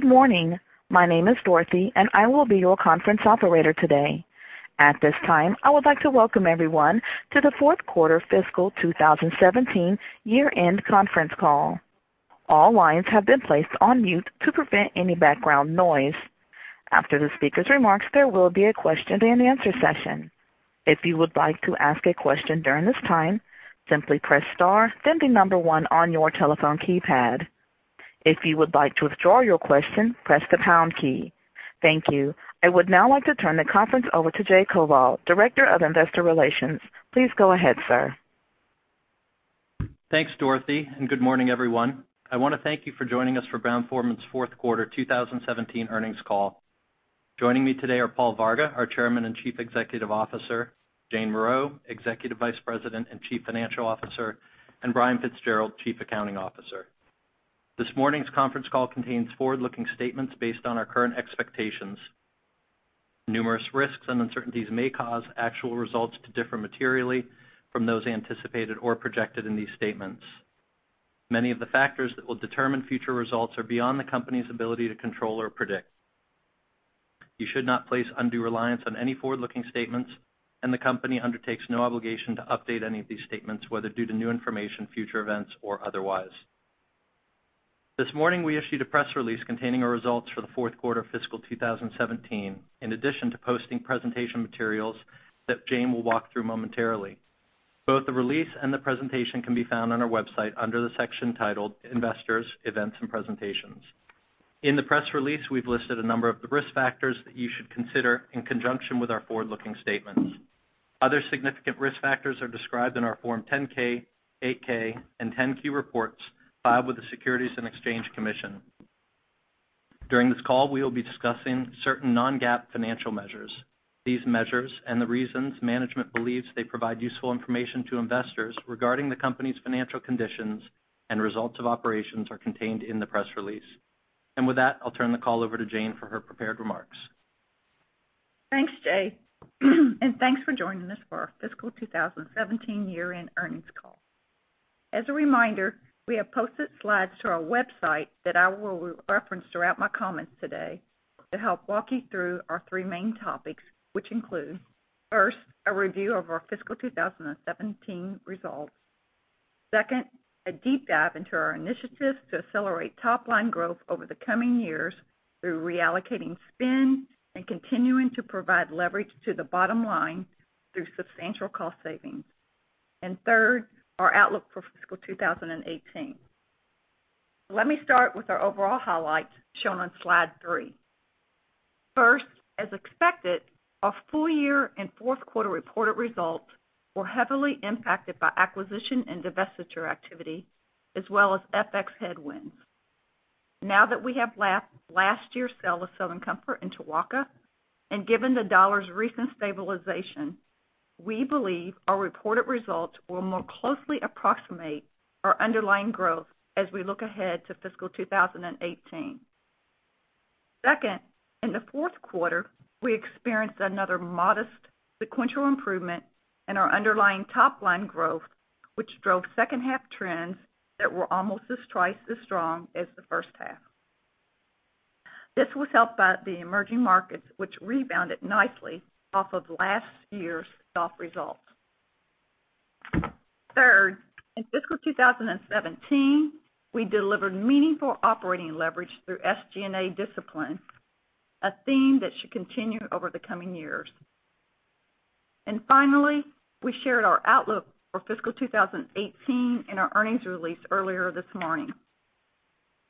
Good morning. My name is Dorothy, and I will be your conference operator today. At this time, I would like to welcome everyone to the fourth quarter fiscal 2017 year-end conference call. All lines have been placed on mute to prevent any background noise. After the speaker's remarks, there will be a question and answer session. If you would like to ask a question during this time, simply press star, then the number one on your telephone keypad. If you would like to withdraw your question, press the pound key. Thank you. I would now like to turn the conference over to Jay Koval, Director of Investor Relations. Please go ahead, sir. Thanks, Dorothy, and good morning, everyone. I want to thank you for joining us for Brown-Forman's fourth quarter 2017 earnings call. Joining me today are Paul Varga, our Chairman and Chief Executive Officer; Jane Morreau, Executive Vice President and Chief Financial Officer; and Brian Fitzgerald, Chief Accounting Officer. This morning's conference call contains forward-looking statements based on our current expectations. Numerous risks and uncertainties may cause actual results to differ materially from those anticipated or projected in these statements. Many of the factors that will determine future results are beyond the company's ability to control or predict. You should not place undue reliance on any forward-looking statements, and the company undertakes no obligation to update any of these statements, whether due to new information, future events, or otherwise. This morning, we issued a press release containing our results for the fourth quarter of fiscal 2017, in addition to posting presentation materials that Jane will walk through momentarily. Both the release and the presentation can be found on our website under the section titled Investors, Events, and Presentations. In the press release, we've listed a number of the risk factors that you should consider in conjunction with our forward-looking statements. Other significant risk factors are described in our Form 10-K, Form 8-K, and Form 10-Q reports filed with the Securities and Exchange Commission. During this call, we will be discussing certain non-GAAP financial measures. These measures and the reasons management believes they provide useful information to investors regarding the company's financial conditions and results of operations are contained in the press release. With that, I'll turn the call over to Jane for her prepared remarks. Thanks, Jay. Thanks for joining us for our fiscal 2017 year-end earnings call. As a reminder, we have posted slides to our website that I will reference throughout my comments today to help walk you through our three main topics, which include, first, a review of our fiscal 2017 results. Second, a deep dive into our initiatives to accelerate top-line growth over the coming years through reallocating spend and continuing to provide leverage to the bottom line through substantial cost savings. Third, our outlook for fiscal 2018. Let me start with our overall highlights shown on slide three. First, as expected, our full year and fourth quarter reported results were heavily impacted by acquisition and divestiture activity, as well as FX headwinds. Now that we have lapped last year's sale of Southern Comfort and Tuaca, given the dollar's recent stabilization, we believe our reported results will more closely approximate our underlying growth as we look ahead to fiscal 2018. Second, in the fourth quarter, we experienced another modest sequential improvement in our underlying top-line growth, which drove second half trends that were almost as twice as strong as the first half. This was helped by the emerging markets, which rebounded nicely off of last year's soft results. Third, in fiscal 2017, we delivered meaningful operating leverage through SG&A discipline, a theme that should continue over the coming years. Finally, we shared our outlook for fiscal 2018 in our earnings release earlier this morning.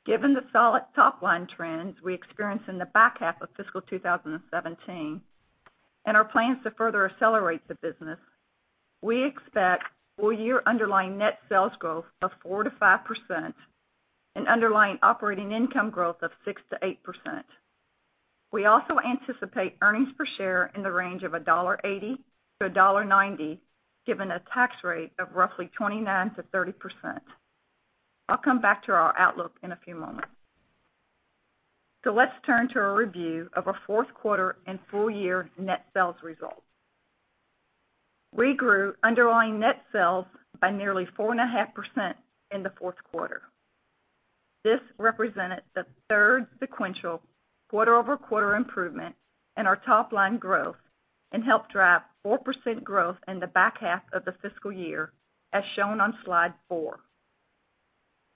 Given the solid top-line trends we experienced in the back half of fiscal 2017 and our plans to further accelerate the business, we expect full year underlying net sales growth of 4%-5% and underlying operating income growth of 6%-8%. We also anticipate earnings per share in the range of $1.80-$1.90, given a tax rate of roughly 29%-30%. I'll come back to our outlook in a few moments. Let's turn to a review of our fourth quarter and full year net sales results. We grew underlying net sales by nearly 4.5% in the fourth quarter. This represented the third sequential quarter-over-quarter improvement in our top-line growth and helped drive 4% growth in the back half of the fiscal year, as shown on slide four.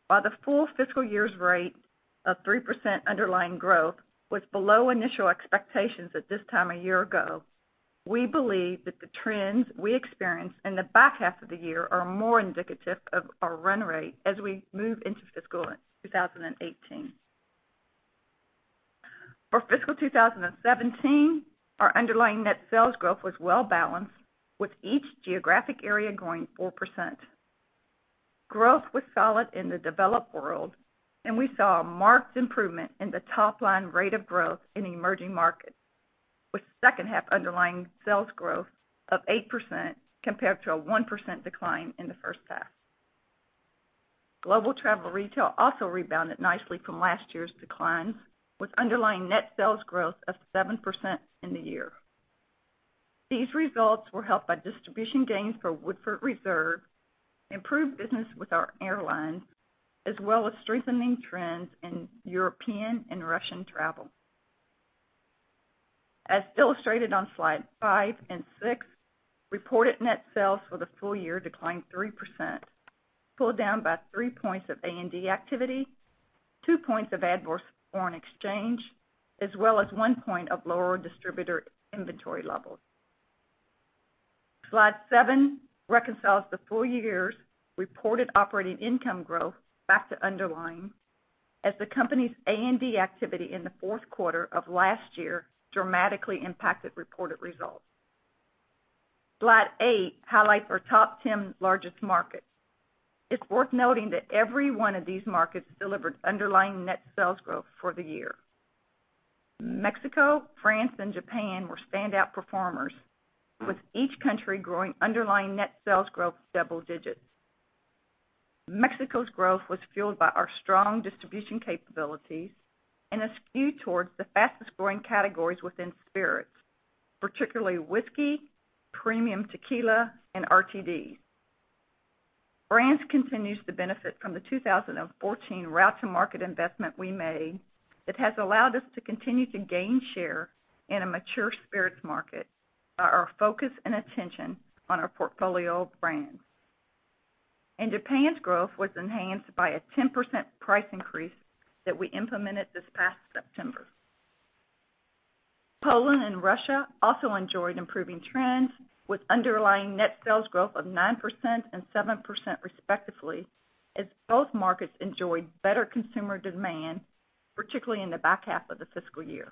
While the full fiscal year's rate of 3% underlying growth was below initial expectations at this time a year ago, we believe that the trends we experienced in the back half of the year are more indicative of our run rate as we move into fiscal 2018. For fiscal 2017, our underlying net sales growth was well-balanced, with each geographic area growing 4%. Growth was solid in the developed world, and we saw a marked improvement in the top-line rate of growth in emerging markets, with second half underlying sales growth of 8% compared to a 1% decline in the first half. Global travel retail also rebounded nicely from last year's declines, with underlying net sales growth of 7% in the year. These results were helped by distribution gains for Woodford Reserve, improved business with our airlines, as well as strengthening trends in European and Russian travel. As illustrated on slide five and six, reported net sales for the full year declined 3%, pulled down by three points of A&D activity, two points of adverse foreign exchange, as well as one point of lower distributor inventory levels. Slide seven reconciles the full year's reported operating income growth back to underlying, as the company's A&D activity in the fourth quarter of last year dramatically impacted reported results. Slide eight highlights our top 10 largest markets. It's worth noting that every one of these markets delivered underlying net sales growth for the year. Mexico, France, and Japan were standout performers, with each country growing underlying net sales growth double digits. Mexico's growth was fueled by our strong distribution capabilities and a skew towards the fastest-growing categories within spirits, particularly whiskey, premium tequila, and RTDs. France continues to benefit from the 2014 route-to-market investment we made that has allowed us to continue to gain share in a mature spirits market by our focus and attention on our portfolio of brands. Japan's growth was enhanced by a 10% price increase that we implemented this past September. Poland and Russia also enjoyed improving trends, with underlying net sales growth of 9% and 7% respectively, as both markets enjoyed better consumer demand, particularly in the back half of the fiscal year.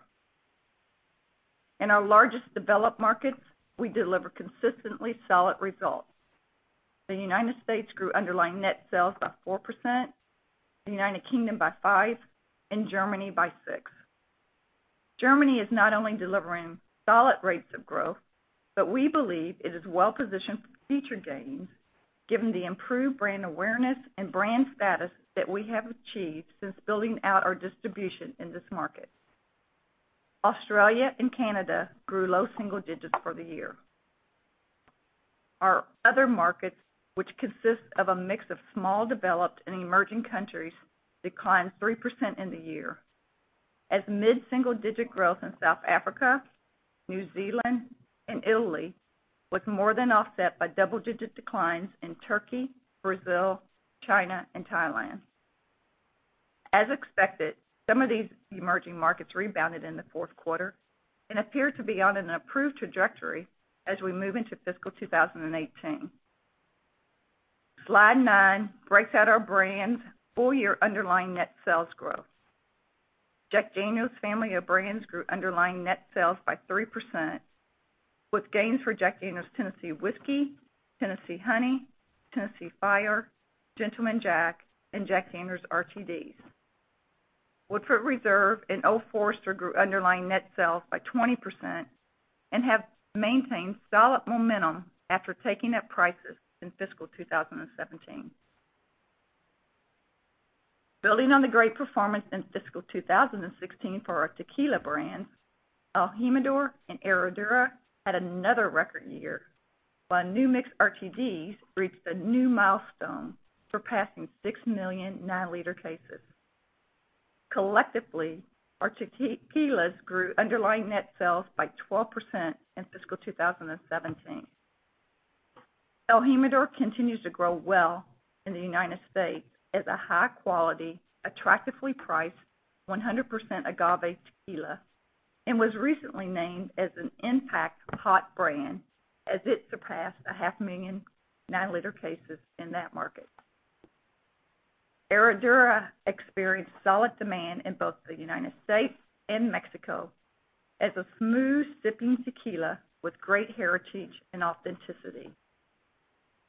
In our largest developed markets, we delivered consistently solid results. The U.S. grew underlying net sales by 4%, the U.K. by 5%, and Germany by 6%. Germany is not only delivering solid rates of growth, but we believe it is well-positioned for future gains given the improved brand awareness and brand status that we have achieved since building out our distribution in this market. Australia and Canada grew low single digits for the year. Our other markets, which consist of a mix of small developed and emerging countries, declined 3% in the year, as mid-single-digit growth in South Africa, New Zealand, and Italy was more than offset by double-digit declines in Turkey, Brazil, China, and Thailand. As expected, some of these emerging markets rebounded in the fourth quarter and appear to be on an improved trajectory as we move into fiscal 2018. Slide nine breaks out our brands' full-year underlying net sales growth. Jack Daniel's family of brands grew underlying net sales by 3%, with gains for Jack Daniel's Tennessee Whiskey, Tennessee Honey, Tennessee Fire, Gentleman Jack, and Jack Daniel's RTDs. Woodford Reserve and Old Forester grew underlying net sales by 20% and have maintained solid momentum after taking up prices in fiscal 2017. Building on the great performance in fiscal 2016 for our tequila brands, el Jimador and Herradura had another record year, while New Mix RTDs reached a new milestone, surpassing 6 million 9-liter cases. Collectively, our tequilas grew underlying net sales by 12% in fiscal 2017. el Jimador continues to grow well in the U.S. as a high-quality, attractively priced 100% agave tequila and was recently named as an Impact Hot Brand as it surpassed a half million 9-liter cases in that market. Herradura experienced solid demand in both the U.S. and Mexico as a smooth-sipping tequila with great heritage and authenticity.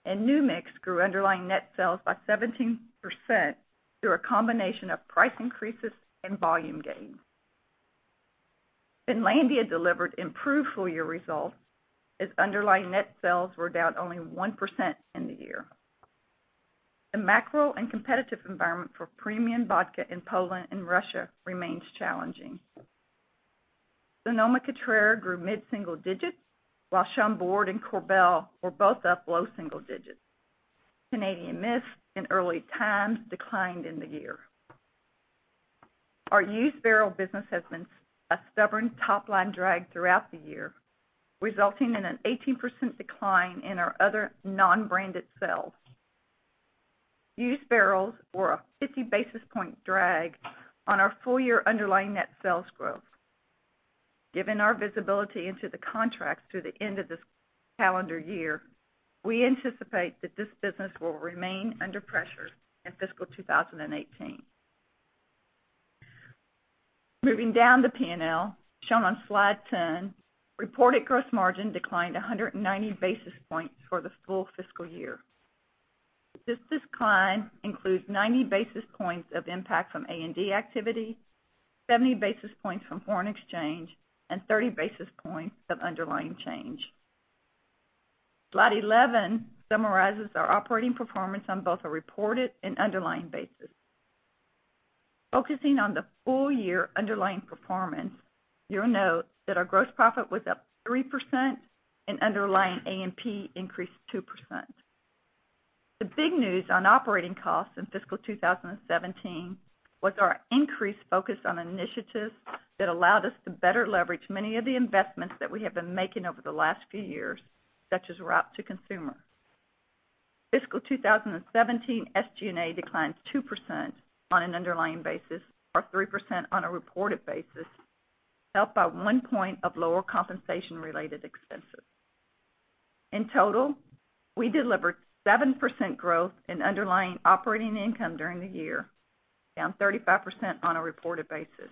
New Mix grew underlying net sales by 17% through a combination of price increases and volume gains. Finlandia delivered improved full-year results, as underlying net sales were down only 1% in the year. The macro and competitive environment for premium vodka in Poland and Russia remains challenging. Sonoma-Cutrer grew mid-single digits, while Chambord and Korbel were both up low single digits. Canadian Mist and Early Times declined in the year. Our used barrel business has been a stubborn top-line drag throughout the year, resulting in an 18% decline in our other non-branded sales. Used barrels were a 50-basis-point drag on our full-year underlying net sales growth. Given our visibility into the contracts through the end of this calendar year, we anticipate that this business will remain under pressure in fiscal 2018. Moving down the P&L, shown on slide 10, reported gross margin declined 190 basis points for the full fiscal year. This decline includes 90 basis points of impact from A&D activity, 70 basis points from foreign exchange, and 30 basis points of underlying change. Slide 11 summarizes our operating performance on both a reported and underlying basis. Focusing on the full year underlying performance, you'll note that our gross profit was up 3% and underlying A&P increased 2%. The big news on operating costs in fiscal 2017 was our increased focus on initiatives that allowed us to better leverage many of the investments that we have been making over the last few years, such as route to consumer. Fiscal 2017 SG&A declined 2% on an underlying basis, or 3% on a reported basis, helped by one point of lower compensation related expenses. In total, we delivered 7% growth in underlying operating income during the year, down 35% on a reported basis.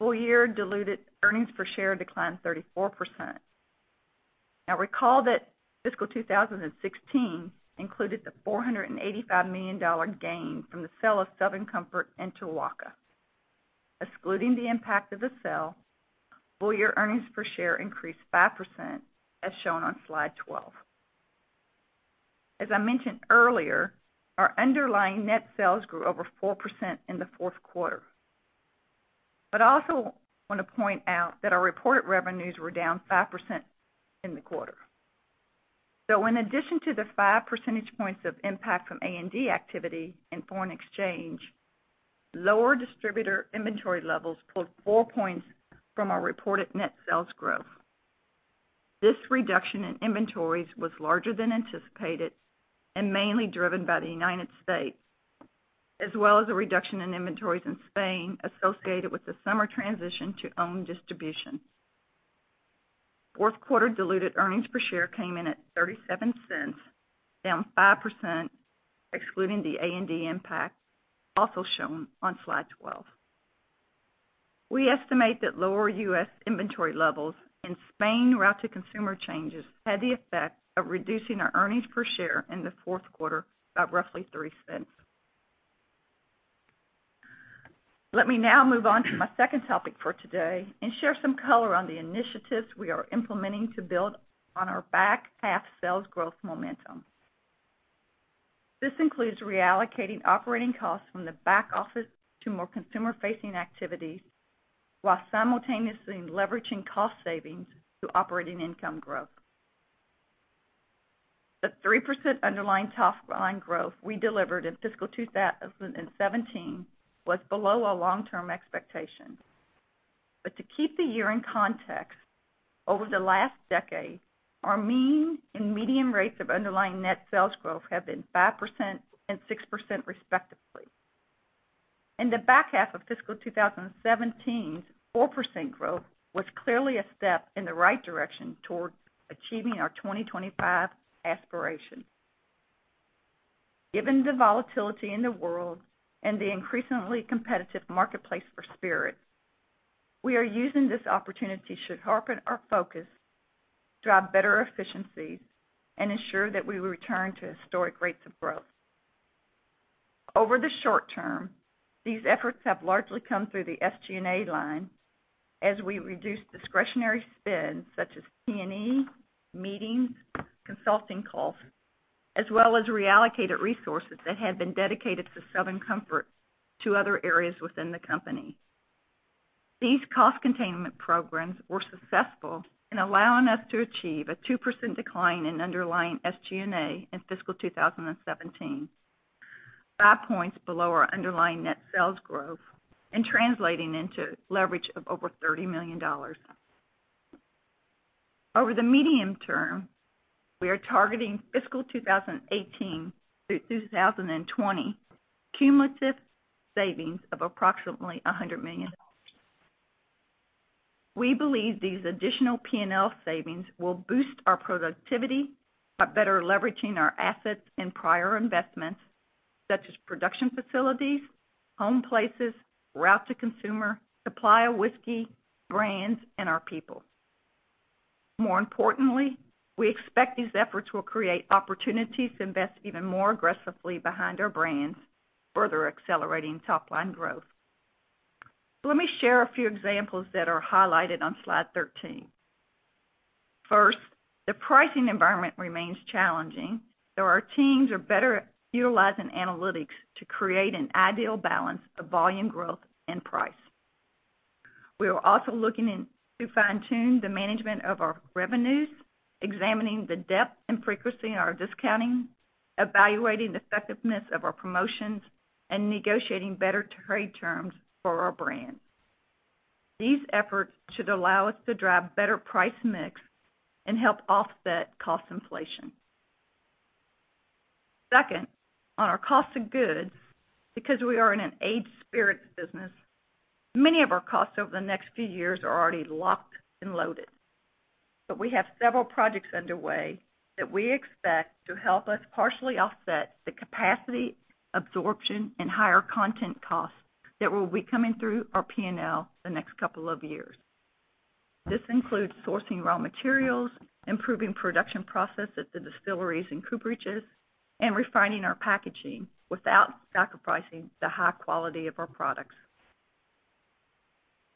Full year diluted earnings per share declined 34%. Now, recall that fiscal 2016 included the $485 million gain from the sale of Southern Comfort and Tequila. Excluding the impact of the sale, full year earnings per share increased 5%, as shown on slide 12. As I mentioned earlier, our underlying net sales grew over 4% in the fourth quarter. Also want to point out that our reported revenues were down 5% in the quarter. In addition to the 5 percentage points of impact from A&D activity in foreign exchange, lower distributor inventory levels pulled four points from our reported net sales growth. This reduction in inventories was larger than anticipated and mainly driven by the United States, as well as a reduction in inventories in Spain associated with the summer transition to owned distribution. Fourth quarter diluted earnings per share came in at $0.37, down 5%, excluding the A&D impact, also shown on slide 12. We estimate that lower U.S. inventory levels and Spain route to consumer changes had the effect of reducing our earnings per share in the fourth quarter by roughly $0.03. Let me now move on to my second topic for today and share some color on the initiatives we are implementing to build on our back half sales growth momentum. This includes reallocating operating costs from the back office to more consumer facing activities, while simultaneously leveraging cost savings through operating income growth. The 3% underlying top line growth we delivered in fiscal 2017 was below our long-term expectation. To keep the year in context, over the last decade, our mean and median rates of underlying net sales growth have been 5% and 6% respectively. In the back half of fiscal 2017, 4% growth was clearly a step in the right direction towards achieving our 2025 aspiration. Given the volatility in the world and the increasingly competitive marketplace for spirits, we are using this opportunity to sharpen our focus, drive better efficiencies, and ensure that we return to historic rates of growth. Over the short term, these efforts have largely come through the SG&A line as we reduce discretionary spend such as T&E, meetings, consulting costs, as well as reallocated resources that had been dedicated to Southern Comfort to other areas within the company. These cost containment programs were successful in allowing us to achieve a 2% decline in underlying SG&A in fiscal 2017, five points below our underlying net sales growth and translating into leverage of over $30 million. Over the medium term, we are targeting fiscal 2018 through 2020 cumulative savings of approximately $100 million. We believe these additional P&L savings will boost our productivity by better leveraging our assets and prior investments such as production facilities, home places, route to consumer, supply of whiskey, brands, and our people. More importantly, we expect these efforts will create opportunities to invest even more aggressively behind our brands, further accelerating top line growth. Let me share a few examples that are highlighted on slide 13. First, the pricing environment remains challenging, though our teams are better utilizing analytics to create an ideal balance of volume growth and price. We are also looking in to fine-tune the management of our revenues, examining the depth and frequency in our discounting, evaluating the effectiveness of our promotions, and negotiating better trade terms for our brands. These efforts should allow us to drive better price mix and help offset cost inflation. Second, on our cost of goods, because we are in an aged spirits business, many of our costs over the next few years are already locked and loaded. We have several projects underway that we expect to help us partially offset the capacity, absorption, and higher content costs that will be coming through our P&L the next couple of years. This includes sourcing raw materials, improving production process at the distilleries and cooperages, and refining our packaging without sacrificing the high quality of our products.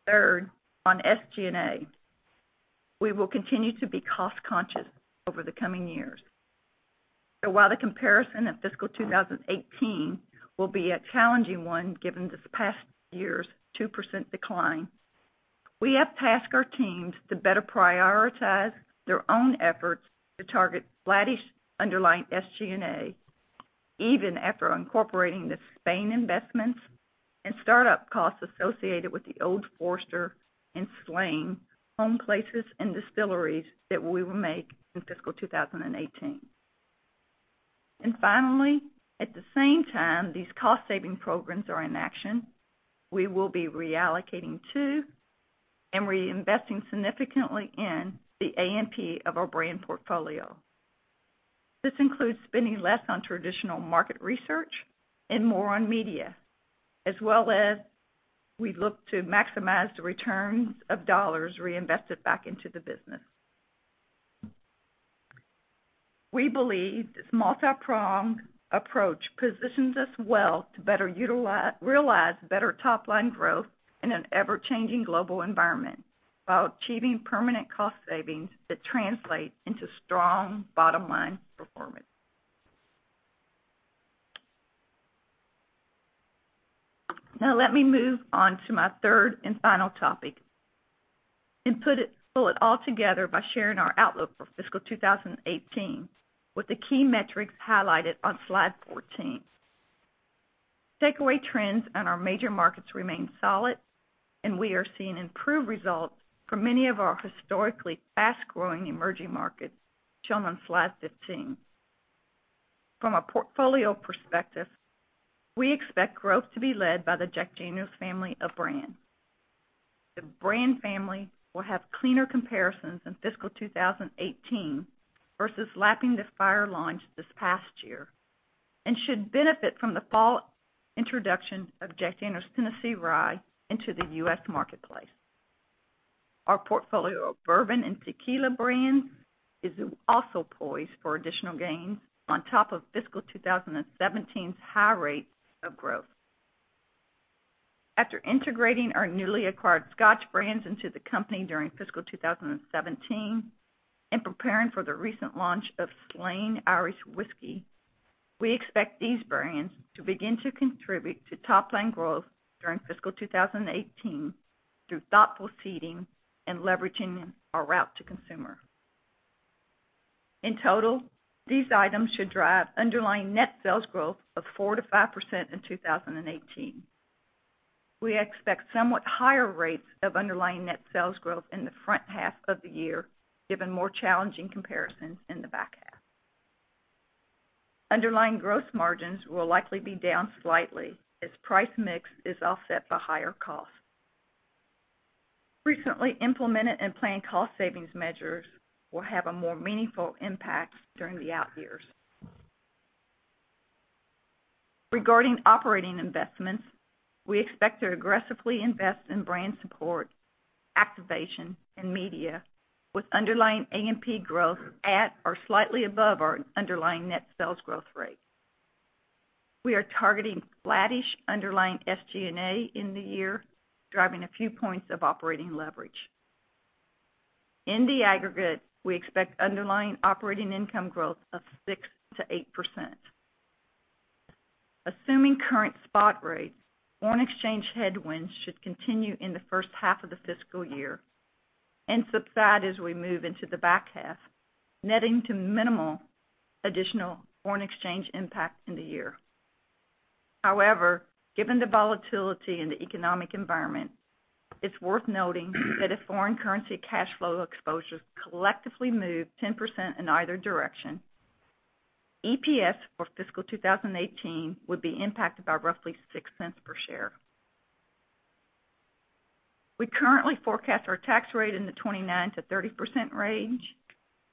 Third, on SG&A, we will continue to be cost-conscious over the coming years. While the comparison of fiscal 2018 will be a challenging one given this past year's 2% decline, we have tasked our teams to better prioritize their own efforts to target flattish underlying SG&A, even after incorporating the Spain investments and startup costs associated with the Old Forester and Slane home places and distilleries that we will make in fiscal 2018. Finally, at the same time these cost-saving programs are in action, we will be reallocating to and reinvesting significantly in the A&P of our brand portfolio. This includes spending less on traditional market research and more on media, as well as we look to maximize the returns of dollars reinvested back into the business. We believe this multipronged approach positions us well to realize better top-line growth in an ever-changing global environment while achieving permanent cost savings that translate into strong bottom-line performance. Let me move on to my third and final topic and pull it all together by sharing our outlook for fiscal 2018 with the key metrics highlighted on slide 14. Takeaway trends in our major markets remain solid, and we are seeing improved results from many of our historically fast-growing emerging markets shown on slide 15. From a portfolio perspective, we expect growth to be led by the Jack Daniel's family of brands. The brand family will have cleaner comparisons in fiscal 2018 versus lapping the Fire launch this past year and should benefit from the fall introduction of Jack Daniel's Tennessee Rye into the U.S. marketplace. Our portfolio of bourbon and tequila brands is also poised for additional gains on top of fiscal 2017's high rates of growth. After integrating our newly acquired Scotch brands into the company during fiscal 2017 and preparing for the recent launch of Slane Irish Whiskey, we expect these brands to begin to contribute to top-line growth during fiscal 2018 through thoughtful seeding and leveraging our route to consumer. In total, these items should drive underlying net sales growth of 4%-5% in 2018. We expect somewhat higher rates of underlying net sales growth in the front half of the year, given more challenging comparisons in the back half. Underlying gross margins will likely be down slightly as price mix is offset by higher costs. Recently implemented and planned cost savings measures will have a more meaningful impact during the out years. Regarding operating investments, we expect to aggressively invest in brand support, activation, and media with underlying A&P growth at or slightly above our underlying net sales growth rate. We are targeting flattish underlying SG&A in the year, driving a few points of operating leverage. In the aggregate, we expect underlying operating income growth of 6%-8%. Assuming current spot rates, foreign exchange headwinds should continue in the first half of the fiscal year and subside as we move into the back half, netting to minimal additional foreign exchange impact in the year. However, given the volatility in the economic environment, it's worth noting that if foreign currency cash flow exposures collectively move 10% in either direction, EPS for fiscal 2018 would be impacted by roughly $0.06 per share. We currently forecast our tax rate in the 29%-30% range,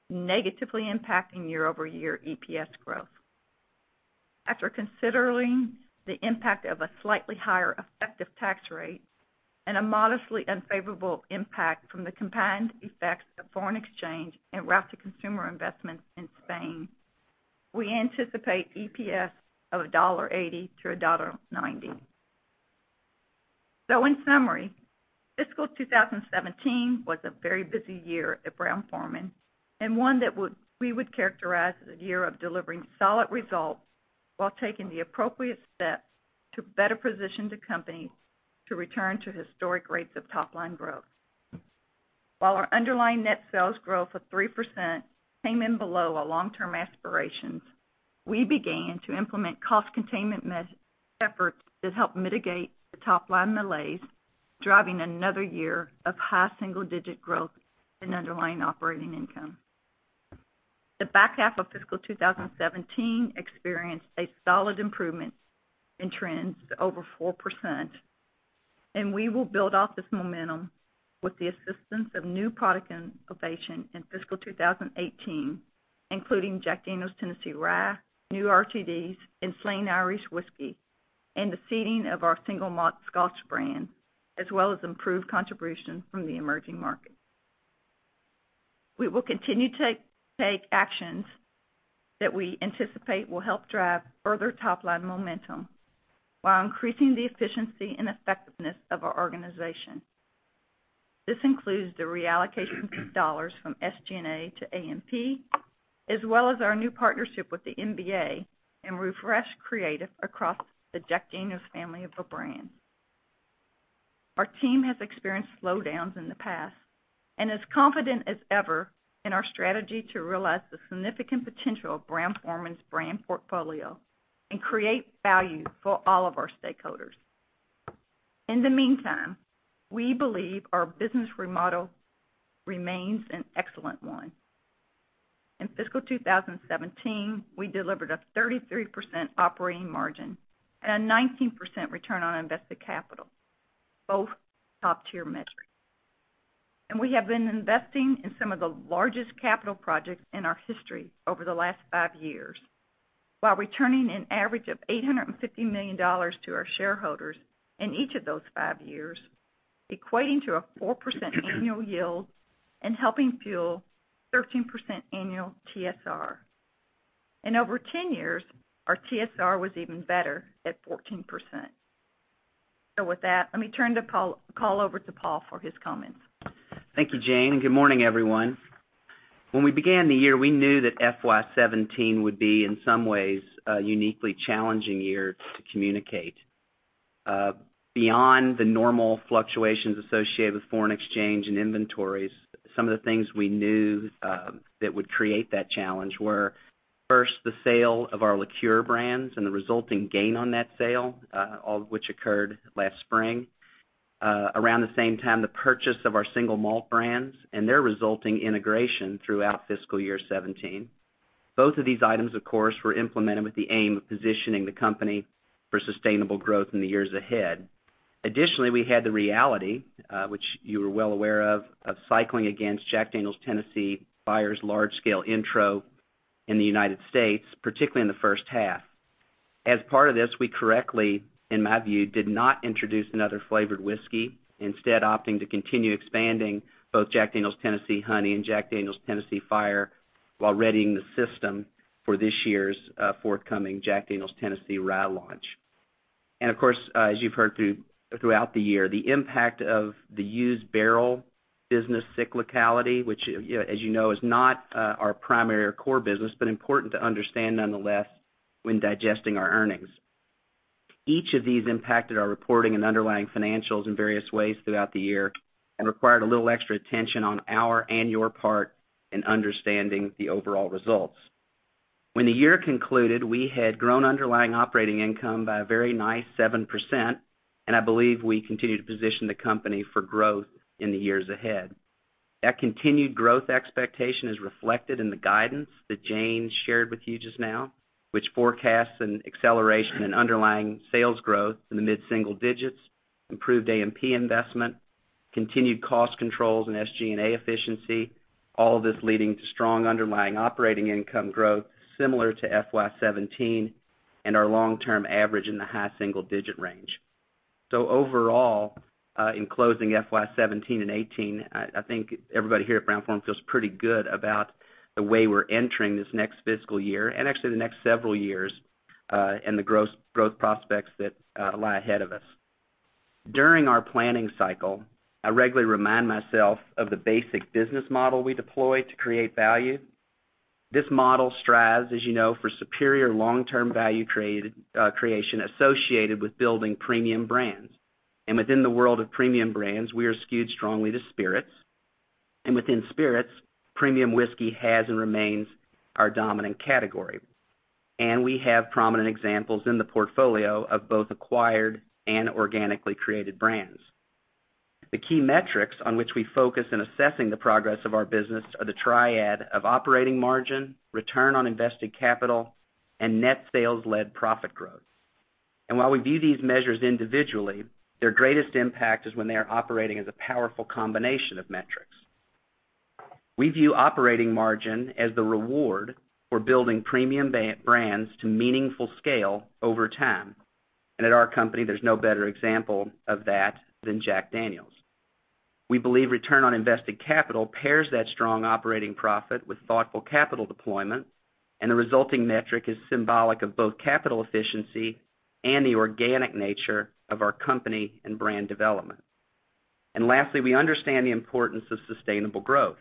negatively impacting year-over-year EPS growth. After considering the impact of a slightly higher effective tax rate and a modestly unfavorable impact from the combined effects of foreign exchange and route-to-consumer investments in Spain, we anticipate EPS of $1.80-$1.90. In summary, fiscal 2017 was a very busy year at Brown-Forman, and one that we would characterize as a year of delivering solid results while taking the appropriate steps to better position the company to return to historic rates of top-line growth. While our underlying net sales growth of 3% came in below our long-term aspirations, we began to implement cost containment efforts that helped mitigate the top-line malaise, driving another year of high single-digit growth in underlying operating income. The back half of fiscal 2017 experienced a solid improvement in trends to over 4%, and we will build off this momentum with the assistance of new product innovation in fiscal 2018, including Jack Daniel's Tennessee Rye, new RTDs, and Slane Irish Whiskey, and the seeding of our single malt Scotch brand, as well as improved contribution from the emerging markets. We will continue to take actions that we anticipate will help drive further top-line momentum while increasing the efficiency and effectiveness of our organization. This includes the reallocation of dollars from SG&A to A&P, as well as our new partnership with the NBA and refreshed creative across the Jack Daniel's family of the brands. Our team has experienced slowdowns in the past and is confident as ever in our strategy to realize the significant potential of Brown-Forman's brand portfolio and create value for all of our stakeholders. In the meantime, we believe our business model remains an excellent one. In fiscal 2017, we delivered a 33% operating margin and a 19% return on invested capital, both top-tier metrics. We have been investing in some of the largest capital projects in our history over the last five years while returning an average of $850 million to our shareholders in each of those five years, equating to a 4% annual yield and helping fuel 13% annual TSR. Over 10 years, our TSR was even better at 14%. With that, let me turn the call over to Paul for his comments. Thank you, Jane, and good morning, everyone. When we began the year, we knew that FY 2017 would be, in some ways, a uniquely challenging year to communicate. Beyond the normal fluctuations associated with foreign exchange and inventories, some of the things we knew that would create that challenge were, first, the sale of our liqueur brands and the resulting gain on that sale, all of which occurred last spring. Around the same time, the purchase of our single malt brands and their resulting integration throughout fiscal year 2017. Both of these items, of course, were implemented with the aim of positioning the company for sustainable growth in the years ahead. Additionally, we had the reality, which you are well aware of cycling against Jack Daniel's Tennessee Fire's large-scale intro in the United States, particularly in the first half. As part of this, we correctly, in my view, did not introduce another flavored whiskey, instead opting to continue expanding both Jack Daniel's Tennessee Honey and Jack Daniel's Tennessee Fire while readying the system for this year's forthcoming Jack Daniel's Tennessee Rye launch. Of course, as you've heard throughout the year, the impact of the used barrel business cyclicality, which as you know is not our primary or core business, but important to understand nonetheless when digesting our earnings. Each of these impacted our reporting and underlying financials in various ways throughout the year and required a little extra attention on our and your part in understanding the overall results. When the year concluded, we had grown underlying operating income by a very nice 7%, and I believe we continue to position the company for growth in the years ahead. That continued growth expectation is reflected in the guidance that Jane shared with you just now, which forecasts an acceleration in underlying sales growth in the mid-single digits, improved A&P investment, continued cost controls, and SG&A efficiency, all of this leading to strong underlying operating income growth similar to FY 2017 and our long-term average in the high single-digit range. Overall, in closing FY 2017 and 2018, I think everybody here at Brown-Forman feels pretty good about the way we're entering this next fiscal year, and actually the next several years, and the growth prospects that lie ahead of us. During our planning cycle, I regularly remind myself of the basic business model we deploy to create value. This model strives, as you know, for superior long-term value creation associated with building premium brands. Within the world of premium brands, we are skewed strongly to spirits. Within spirits, premium whiskey has and remains our dominant category. We have prominent examples in the portfolio of both acquired and organically created brands. The key metrics on which we focus in assessing the progress of our business are the triad of operating margin, return on invested capital, and net sales-led profit growth. While we view these measures individually, their greatest impact is when they are operating as a powerful combination of metrics. We view operating margin as the reward for building premium brands to meaningful scale over time. At our company, there's no better example of that than Jack Daniel's. We believe return on invested capital pairs that strong operating profit with thoughtful capital deployment, and the resulting metric is symbolic of both capital efficiency and the organic nature of our company and brand development. Lastly, we understand the importance of sustainable growth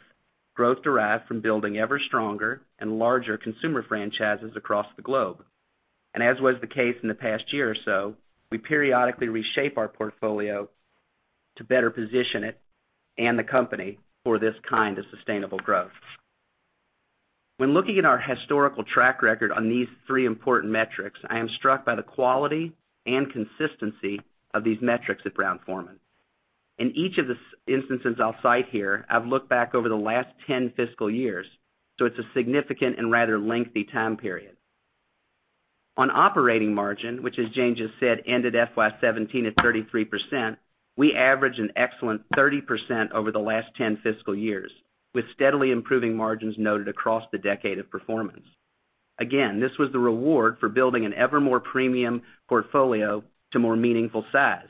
derived from building ever stronger and larger consumer franchises across the globe. As was the case in the past year or so, we periodically reshape our portfolio to better position it and the company for this kind of sustainable growth. When looking at our historical track record on these three important metrics, I am struck by the quality and consistency of these metrics at Brown-Forman. In each of the instances I'll cite here, I've looked back over the last 10 fiscal years, so it's a significant and rather lengthy time period. On operating margin, which, as Jane just said, ended FY 2017 at 33%, we average an excellent 30% over the last 10 fiscal years, with steadily improving margins noted across the decade of performance. Again, this was the reward for building an ever more premium portfolio to more meaningful size.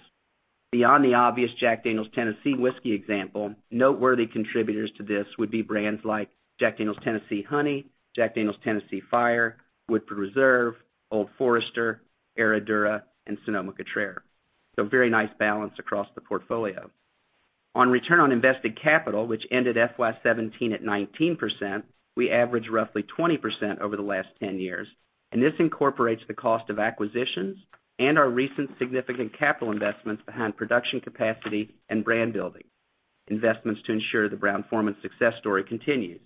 Beyond the obvious Jack Daniel's Tennessee Whiskey example, noteworthy contributors to this would be brands like Jack Daniel's Tennessee Honey, Jack Daniel's Tennessee Fire, Woodford Reserve, Old Forester, Herradura, and Sonoma-Cutrer. Very nice balance across the portfolio. On return on invested capital, which ended FY 2017 at 19%, we averaged roughly 20% over the last 10 years, and this incorporates the cost of acquisitions and our recent significant capital investments behind production capacity and brand building, investments to ensure the Brown-Forman success story continues.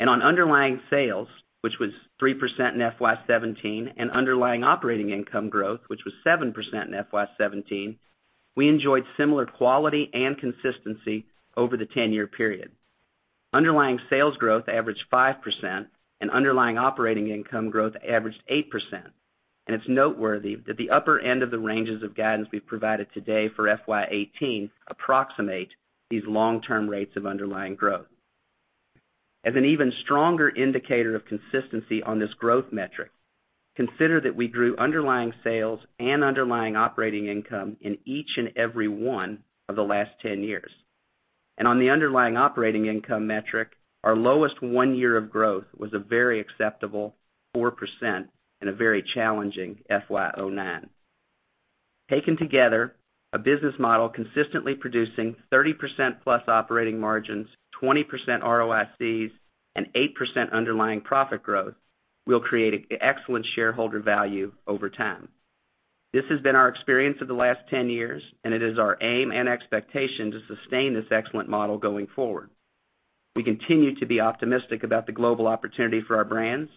On underlying sales, which was 3% in FY 2017, and underlying operating income growth, which was 7% in FY 2017, we enjoyed similar quality and consistency over the 10-year period. Underlying sales growth averaged 5%, and underlying operating income growth averaged 8%. It's noteworthy that the upper end of the ranges of guidance we've provided today for FY 2018 approximate these long-term rates of underlying growth. As an even stronger indicator of consistency on this growth metric, consider that we grew underlying sales and underlying operating income in each and every one of the last 10 years. On the underlying operating income metric, our lowest one year of growth was a very acceptable 4% in a very challenging FY 2009. Taken together, a business model consistently producing 30% plus operating margins, 20% ROIC, and 8% underlying profit growth will create excellent shareholder value over time. This has been our experience for the last 10 years, and it is our aim and expectation to sustain this excellent model going forward. We continue to be optimistic about the global opportunity for our brands.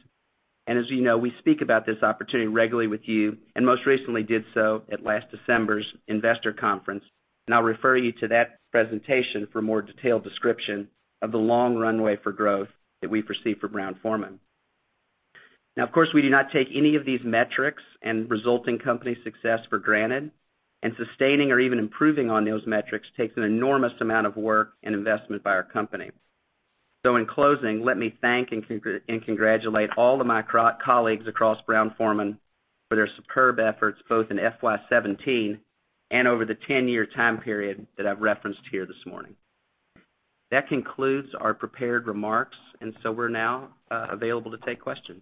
As you know, we speak about this opportunity regularly with you and most recently did so at last December's investor conference. I'll refer you to that presentation for a more detailed description of the long runway for growth that we foresee for Brown-Forman. Of course, we do not take any of these metrics and resulting company success for granted, and sustaining or even improving on those metrics takes an enormous amount of work and investment by our company. In closing, let me thank and congratulate all of my colleagues across Brown-Forman for their superb efforts, both in FY 2017 and over the 10-year time period that I've referenced here this morning. That concludes our prepared remarks, we're now available to take questions.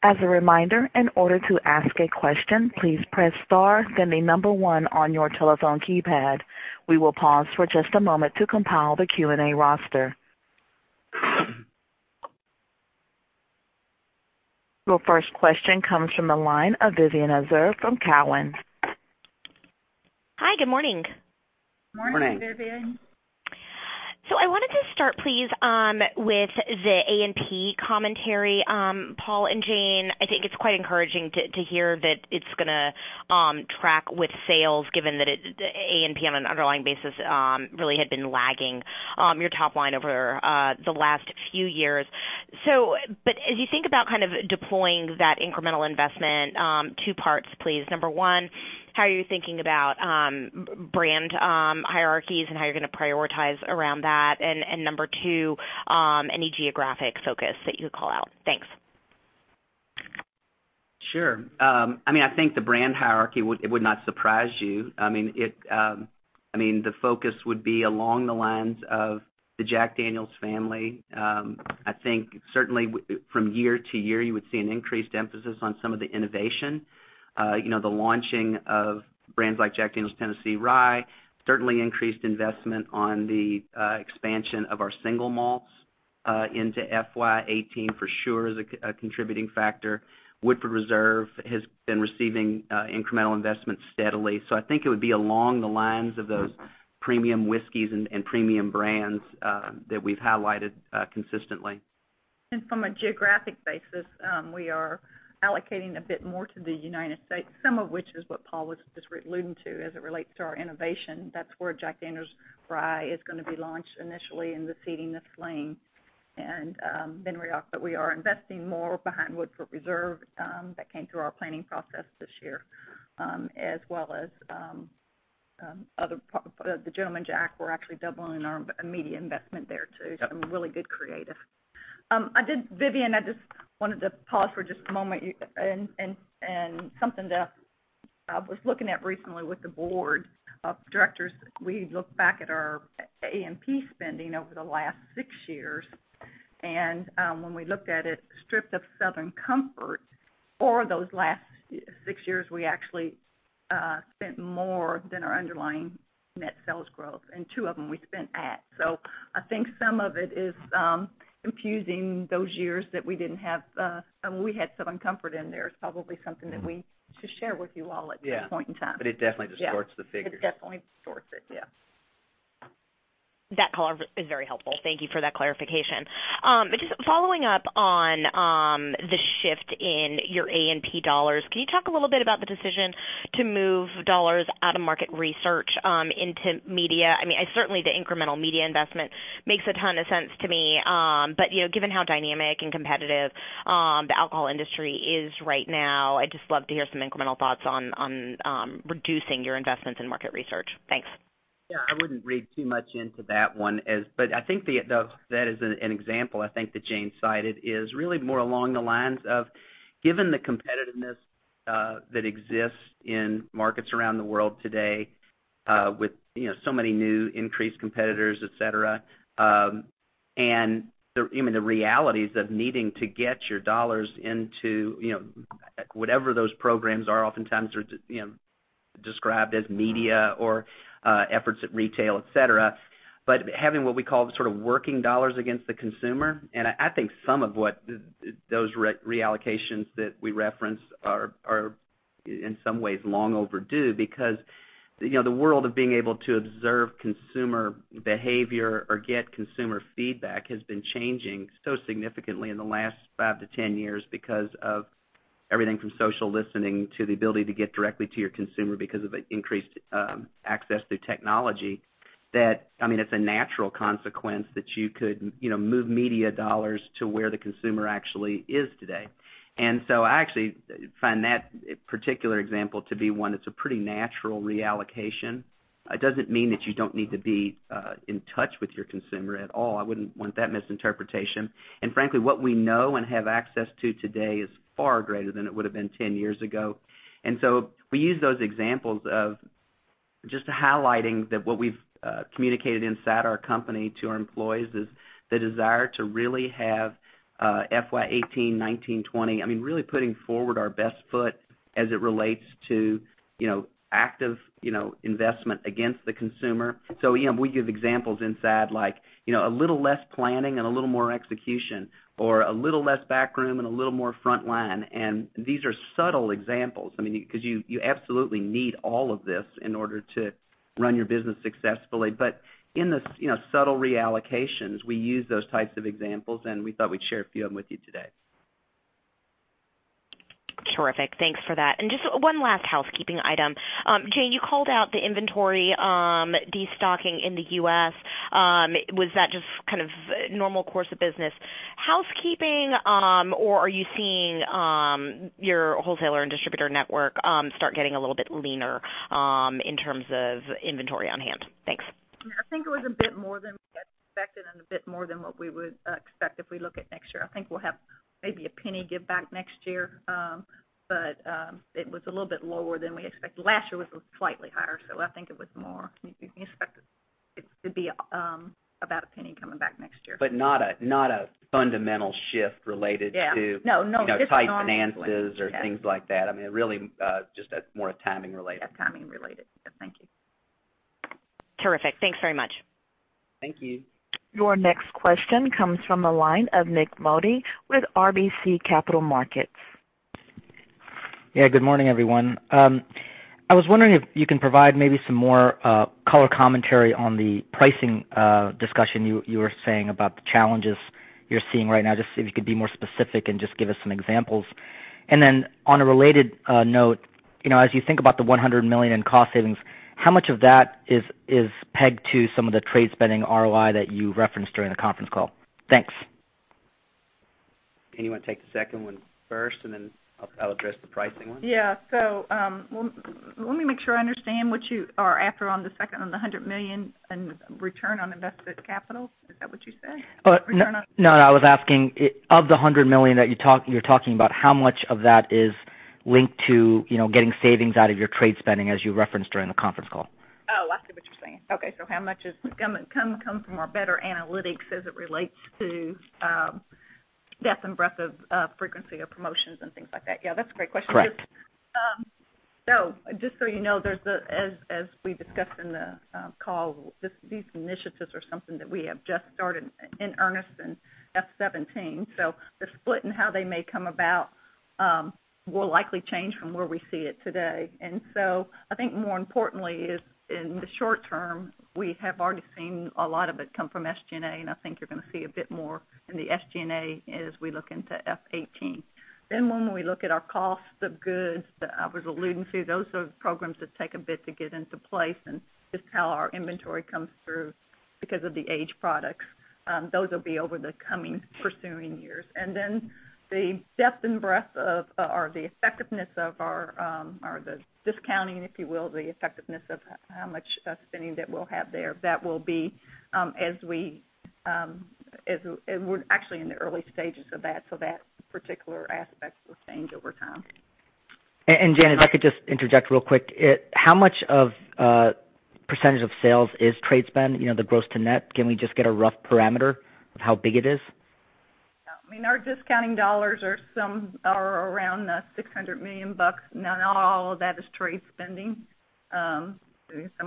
As a reminder, in order to ask a question, please press star, then 1 on your telephone keypad. We will pause for just a moment to compile the Q&A roster. Your first question comes from the line of Vivien Azer from Cowen. Hi, good morning. Morning. Morning, Vivien. I wanted to start, please, with the A&P commentary. Paul and Jane, I think it's quite encouraging to hear that it's going to track with sales, given that A&P on an underlying basis really had been lagging your top line over the last few years. As you think about deploying that incremental investment, two parts, please. Number one, how are you thinking about brand hierarchies and how you're going to prioritize around that? Number two, any geographic focus that you could call out? Thanks. Sure. I think the brand hierarchy, it would not surprise you. The focus would be along the lines of the Jack Daniel's family. I think certainly from year to year, you would see an increased emphasis on some of the innovation. The launching of brands like Jack Daniel's Tennessee Rye, certainly increased investment on the expansion of our single malts into FY 2018 for sure is a contributing factor. Woodford Reserve has been receiving incremental investments steadily. I think it would be along the lines of those premium whiskeys and premium brands that we've highlighted consistently. From a geographic basis, we are allocating a bit more to the United States, some of which is what Paul was just alluding to as it relates to our innovation. That's where Jack Daniel's Rye is going to be launched initially and the feeding of Slane. We are investing more behind Woodford Reserve. That came through our planning process this year, as well as the Gentleman Jack. We're actually doubling our media investment there too. Got some really good creative. Vivien, I just wanted to pause for just a moment and something that I was looking at recently with the board of directors. We looked back at our A&P spending over the last six years, and when we looked at it stripped of Southern Comfort for those last six years, we actually spent more than our underlying net sales growth. Two of them we spent at. I think some of it is infusing those years that we had Southern Comfort in there. It's probably something that we should share with you all at some point in time. It definitely distorts the figures. It definitely distorts it, yeah. That is very helpful. Thank you for that clarification. Just following up on the shift in your A&P dollars, can you talk a little bit about the decision to move dollars out of market research into media? Certainly, the incremental media investment makes a ton of sense to me. Given how dynamic and competitive the alcohol industry is right now, I'd just love to hear some incremental thoughts on reducing your investments in market research. Thanks. Yeah, I wouldn't read too much into that one. I think that as an example, I think that Jane cited is really more along the lines of, given the competitiveness that exists in markets around the world today with so many new increased competitors, et cetera, and even the realities of needing to get your dollars into whatever those programs are, oftentimes they're described as media or efforts at retail, et cetera. Having what we call the sort of working dollars against the consumer, and I think some of what those reallocations that we referenced are in some ways long overdue because the world of being able to observe consumer behavior or get consumer feedback has been changing so significantly in the last 5 to 10 years because of everything from social listening to the ability to get directly to your consumer because of increased access through technology. It's a natural consequence that you could move media dollars to where the consumer actually is today. I actually find that particular example to be one that's a pretty natural reallocation. It doesn't mean that you don't need to be in touch with your consumer at all. I wouldn't want that misinterpretation. Frankly, what we know and have access to today is far greater than it would have been 10 years ago. We use those examples of just highlighting that what we've communicated inside our company to our employees is the desire to really have FY 2018, 2019, 2020, really putting forward our best foot as it relates to active investment against the consumer. We give examples inside like a little less planning and a little more execution, or a little less backroom and a little more front line. These are subtle examples, because you absolutely need all of this in order to run your business successfully. In the subtle reallocations, we use those types of examples, and we thought we'd share a few of them with you today. Terrific. Thanks for that. Just one last housekeeping item. Jane, you called out the inventory, destocking in the U.S. Was that just kind of normal course of business housekeeping, or are you seeing your wholesaler and distributor network start getting a little bit leaner in terms of inventory on hand? Thanks. I think it was a bit more than we had expected and a bit more than what we would expect if we look at next year. I think we'll have maybe a $0.01 give back next year. It was a little bit lower than we expected. Last year was slightly higher, I think it was more. We expect it to be about a $0.01 coming back next year. Not a fundamental shift related to Yeah. No tight finances or things like that. Really just more timing related. Yeah, timing related. Yeah. Thank you. Terrific. Thanks very much. Thank you. Your next question comes from the line of Nik Modi with RBC Capital Markets. Yeah. Good morning, everyone. I was wondering if you can provide maybe some more color commentary on the pricing discussion you were saying about the challenges you're seeing right now, just if you could be more specific and just give us some examples. On a related note, as you think about the $100 million in cost savings, how much of that is pegged to some of the trade spending ROI that you referenced during the conference call? Thanks. Jane, you want to take the second one first, and then I'll address the pricing one? Yeah. Let me make sure I understand what you are after on the second, on the $100 million in return on invested capital. Is that what you said? No, I was asking, of the $100 million that you're talking about, how much of that is linked to getting savings out of your trade spending as you referenced during the conference call? Oh, I see what you're saying. Okay, how much comes from our better analytics as it relates to depth and breadth of frequency of promotions and things like that? Yeah, that's a great question. Correct. Just so you know, as we discussed in the call, these initiatives are something that we have just started in earnest in FY 2017. The split in how they may come about will likely change from where we see it today. I think more importantly is in the short term, we have already seen a lot of it come from SG&A, and I think you're going to see a bit more in the SG&A as we look into FY 2018. When we look at our cost of goods that I was alluding to, those are programs that take a bit to get into place and just how our inventory comes through because of the aged products. Those will be over the coming [pursuing] years. The depth and breadth, or the effectiveness of the discounting, if you will, the effectiveness of how much spending that we'll have there, we're actually in the early stages of that, so that particular aspect will change over time. Jane, if I could just interject real quick. How much of percentage of sales is trade spend, the gross to net? Can we just get a rough parameter of how big it is? Yeah. Our discounting dollars are around the $600 million, not all of that is trade spending. Some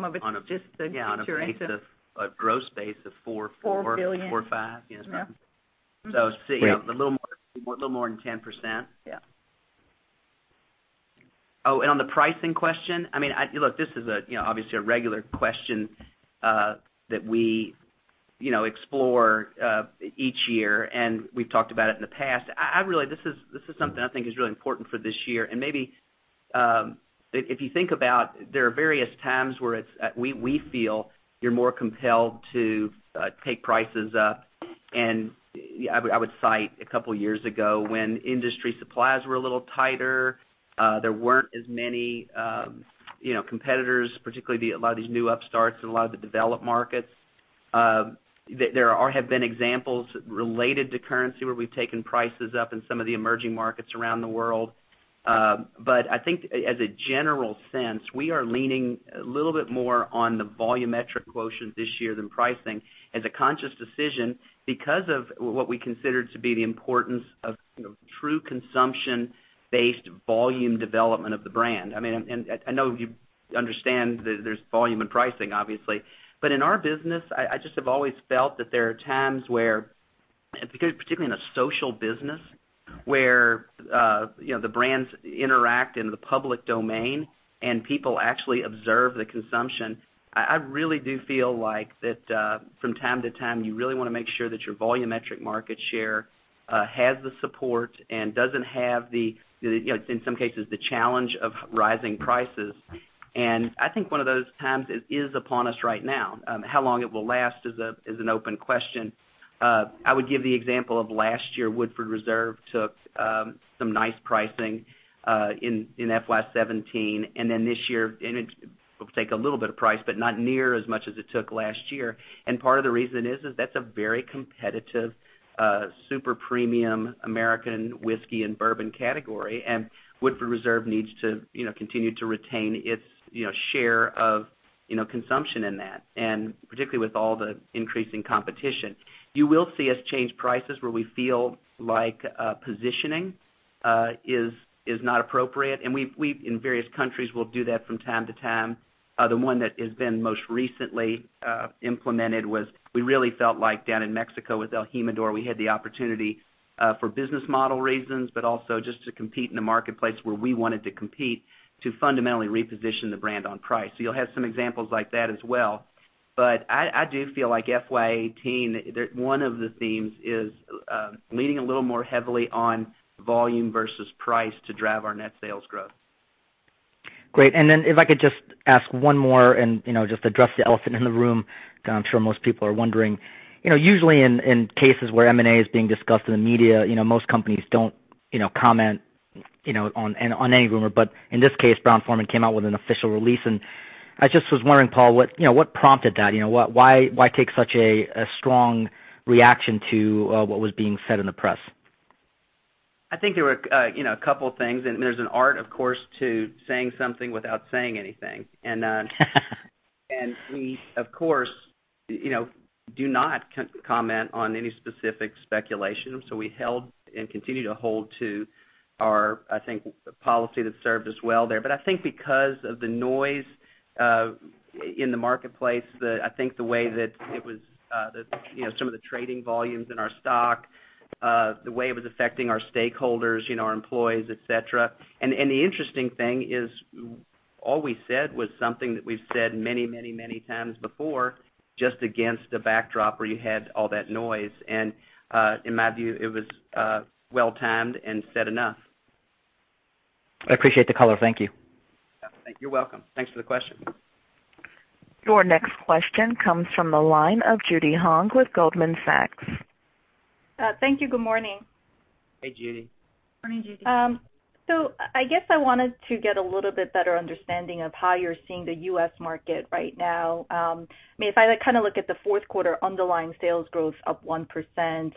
of it's just the nature. On a base of, a gross base of four- $4 billion four or five. Yeah. Mm-hmm. A little more than 10%. Yeah. On the pricing question, look, this is obviously a regular question that we explore each year, and we've talked about it in the past. This is something I think is really important for this year. Maybe if you think about, there are various times where we feel you're more compelled to take prices up, and I would cite a couple of years ago when industry supplies were a little tighter. There weren't as many competitors, particularly a lot of these new upstarts in a lot of the developed markets. There have been examples related to currency where we've taken prices up in some of the emerging markets around the world. I think as a general sense, we are leaning a little bit more on the volumetric quotient this year than pricing as a conscious decision because of what we consider to be the importance of true consumption-based volume development of the brand. I know you understand that there's volume in pricing, obviously. In our business, I just have always felt that there are times where, particularly in a social business, where the brands interact in the public domain and people actually observe the consumption. I really do feel like that from time to time, you really want to make sure that your volumetric market share has the support and doesn't have the, in some cases, the challenge of rising prices. I think one of those times is upon us right now. How long it will last is an open question. I would give the example of last year, Woodford Reserve took some nice pricing in FY 2017, and then this year, it will take a little bit of price, but not near as much as it took last year. Part of the reason is that's a very competitive, super premium American whiskey and bourbon category, and Woodford Reserve needs to continue to retain its share of consumption in that, and particularly with all the increasing competition. You will see us change prices where we feel like positioning is not appropriate. We, in various countries, will do that from time to time. The one that has been most recently implemented was we really felt like down in Mexico with el Jimador, we had the opportunity, for business model reasons, but also just to compete in a marketplace where we wanted to compete, to fundamentally reposition the brand on price. You'll have some examples like that as well. I do feel like FY 2018, one of the themes is leaning a little more heavily on volume versus price to drive our net sales growth. Great. Then if I could just ask one more and just address the elephant in the room that I'm sure most people are wondering. Usually in cases where M&A is being discussed in the media, most companies don't comment on any rumor. In this case, Brown-Forman came out with an official release, and I just was wondering, Paul, what prompted that? Why take such a strong reaction to what was being said in the press? I think there were a couple of things, and there's an art, of course, to saying something without saying anything. We, of course, do not comment on any specific speculation, so we held and continue to hold to our, I think, policy that's served us well there. I think because of the noise in the marketplace, I think the way that some of the trading volumes in our stock, the way it was affecting our stakeholders, our employees, et cetera. The interesting thing is all we said was something that we've said many times before, just against a backdrop where you had all that noise. In my view, it was well-timed and said enough. I appreciate the color. Thank you. You're welcome. Thanks for the question. Your next question comes from the line of Judy Hong with Goldman Sachs. Thank you. Good morning. Hey, Judy. Morning, Judy. I guess I wanted to get a little bit better understanding of how you're seeing the U.S. market right now. If I look at the fourth quarter underlying sales growth up 1%,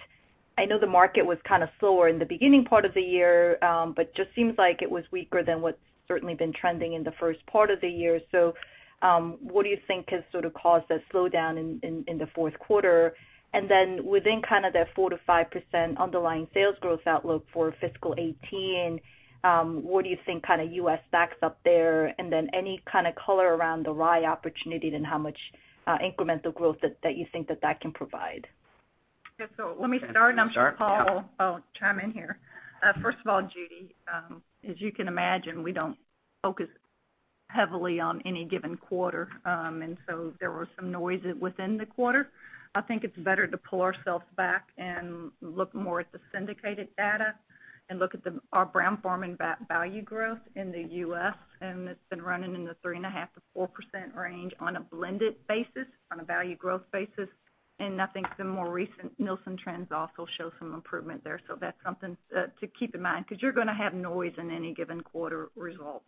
I know the market was slower in the beginning part of the year, but just seems like it was weaker than what's certainly been trending in the first part of the year. What do you think has sort of caused that slowdown in the fourth quarter? Within kind of the 4%-5% underlying sales growth outlook for fiscal 2018, what do you think U.S. backs up there? Any kind of color around the rye opportunity and how much incremental growth that you think that that can provide? Let me start, and I'm sure Paul will chime in here. First of all, Judy, as you can imagine, we don't focus heavily on any given quarter. There was some noise within the quarter. I think it's better to pull ourselves back and look more at the syndicated data and look at our Brown-Forman value growth in the U.S., and it's been running in the 3.5%-4% range on a blended basis, on a value growth basis. I think the more recent Nielsen trends also show some improvement there. That's something to keep in mind because you're going to have noise in any given quarter results.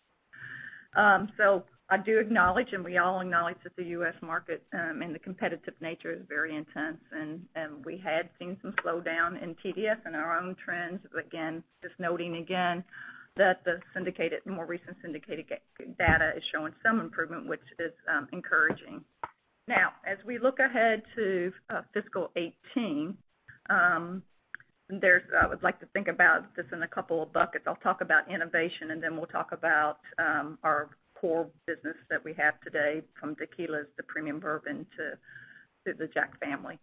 I do acknowledge, and we all acknowledge that the U.S. market, and the competitive nature is very intense, and we had seen some slowdown in TDS in our own trends. Again, just noting again that the more recent syndicated data is showing some improvement, which is encouraging. As we look ahead to fiscal 2018, I would like to think about this in a couple of buckets. I'll talk about innovation, and then we'll talk about our core business that we have today, from tequilas to premium bourbon to the Jack family.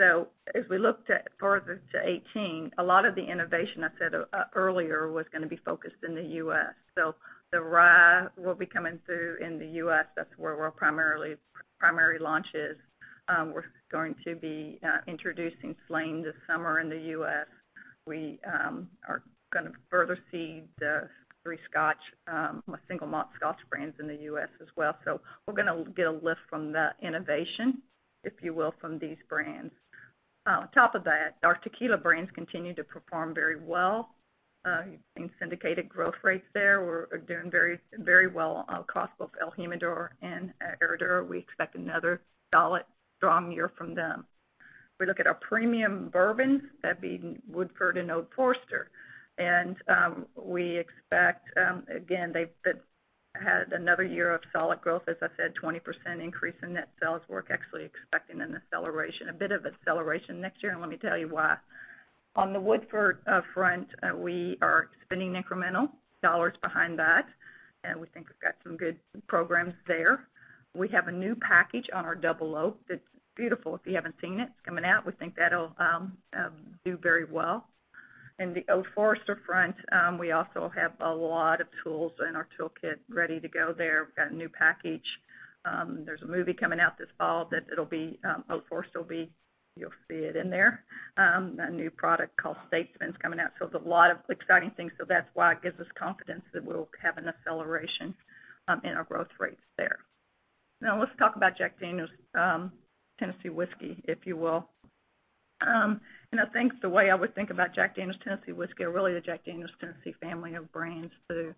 As we looked further to 2018, a lot of the innovation I said earlier was going to be focused in the U.S. The rye will be coming through in the U.S. That's where our primary launch is. We're going to be introducing Slane this summer in the U.S. We are going to further see the three Scotch, single malt Scotch brands in the U.S. as well. We're going to get a lift from the innovation, if you will, from these brands. On top of that, our tequila brands continue to perform very well. In syndicated growth rates there, we're doing very well across both el Jimador and Herradura. We expect another solid, strong year from them. If we look at our premium bourbons, that being Woodford and Old Forester, we expect, again, they've had another year of solid growth, as I said, 20% increase in net sales. We're actually expecting an acceleration, a bit of acceleration next year. Let me tell you why. On the Woodford front, we are spending incremental dollars behind that. We think we've got some good programs there. We have a new package on our Double Oaked that's beautiful. If you haven't seen it's coming out. We think that'll do very well. In the Old Forester front, we also have a lot of tools in our toolkit ready to go there. We've got a new package. There's a movie coming out this fall that Old Forester will be You'll see it in there. A new product called Statesman coming out. There's a lot of exciting things. That's why it gives us confidence that we'll have an acceleration in our growth rates there. Now let's talk about Jack Daniel's Tennessee Whiskey, if you will. I think the way I would think about Jack Daniel's Tennessee Whiskey, or really the Jack Daniel's Tennessee family of brands too,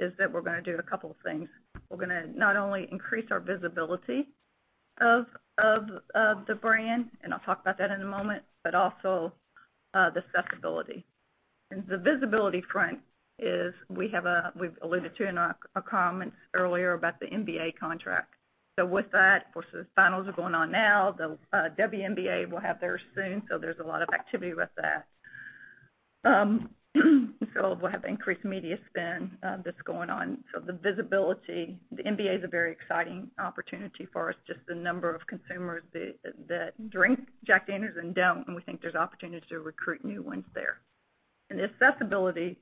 is that we're going to do a couple of things. We're going to not only increase our visibility of the brand, and I'll talk about that in a moment, but also the accessibility. In the visibility front is we've alluded to in our comments earlier about the NBA contract. With that, of course, the finals are going on now. The WNBA will have theirs soon. There's a lot of activity with that. We'll have increased media spend that's going on. The visibility, the NBA is a very exciting opportunity for us, just the number of consumers that drink Jack Daniel's and don't, and we think there's opportunities to recruit new ones there. In the accessibility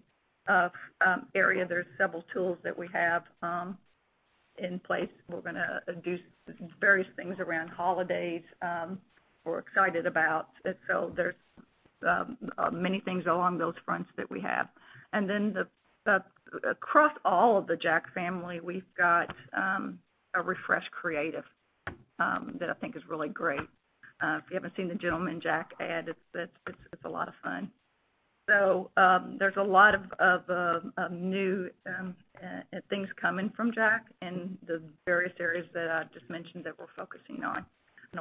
area, there's several tools that we have in place. We're going to do various things around holidays we're excited about. There's many things along those fronts that we have. Across all of the Jack family, we've got a refreshed creative that I think is really great. If you haven't seen the Gentleman Jack ad, it's a lot of fun. There's a lot of new things coming from Jack and the various areas that I just mentioned that we're focusing on.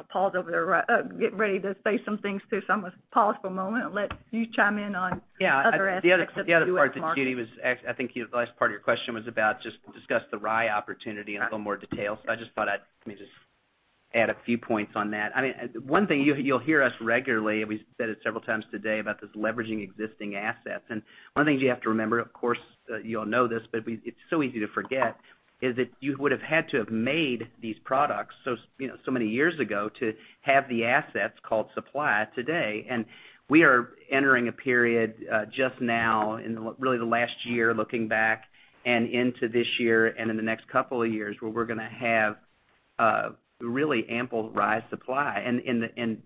Paul's over there getting ready to say some things too. I'm going to pause for a moment and let you chime in on other aspects of the U.S. market. Yeah. The other part that Judy Hong was I think the last part of your question was about just discuss the rye opportunity in a little more detail. I just thought I'd maybe just add a few points on that. One thing you'll hear us regularly, and we said it several times today, about this leveraging existing assets. One of the things you have to remember, of course, you all know this, but it's so easy to forget, is that you would have had to have made these products so many years ago to have the assets called supply today. We are entering a period, just now in really the last year, looking back and into this year and in the next couple of years, where we're going to have a really ample rye supply.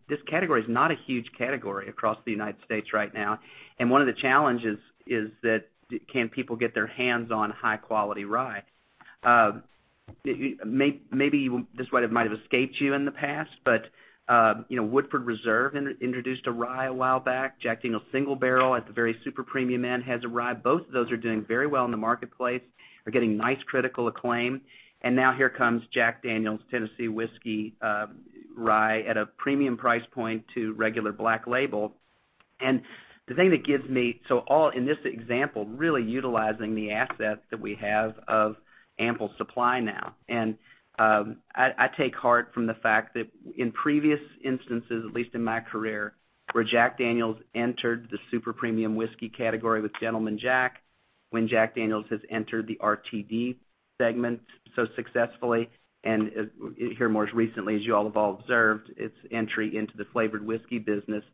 This category is not a huge category across the United States right now. One of the challenges is that can people get their hands on high quality rye? Maybe this might have escaped you in the past, but Woodford Reserve introduced a rye a while back. Jack Daniel's Single Barrel, at the very super premium end, has a rye. Both of those are doing very well in the marketplace, are getting nice critical acclaim. Now here comes Jack Daniel's Tennessee Whiskey Rye at a premium price point to regular black label. All in this example, really utilizing the assets that we have of ample supply now. I take heart from the fact that in previous instances, at least in my career, where Jack Daniel's entered the super premium whiskey category with Gentleman Jack, when Jack Daniel's has entered the RTD segment so successfully, and here more recently, as you all have all observed, its entry into the flavored whiskey business,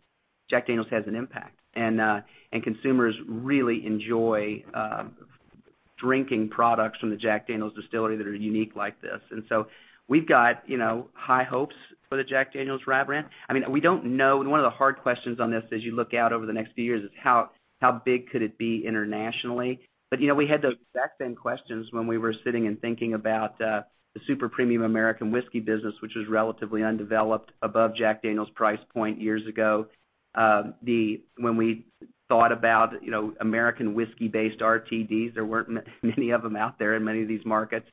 Jack Daniel's has an impact. Consumers really enjoy drinking products from the Jack Daniel's distillery that are unique like this. We've got high hopes for the Jack Daniel's Rye brand. We don't know, and one of the hard questions on this as you look out over the next few years is how big could it be internationally? We had those back then questions when we were sitting and thinking about the super premium American whiskey business, which was relatively undeveloped above Jack Daniel's price point years ago. When we thought about American whiskey based RTDs, there weren't many of them out there in many of these markets.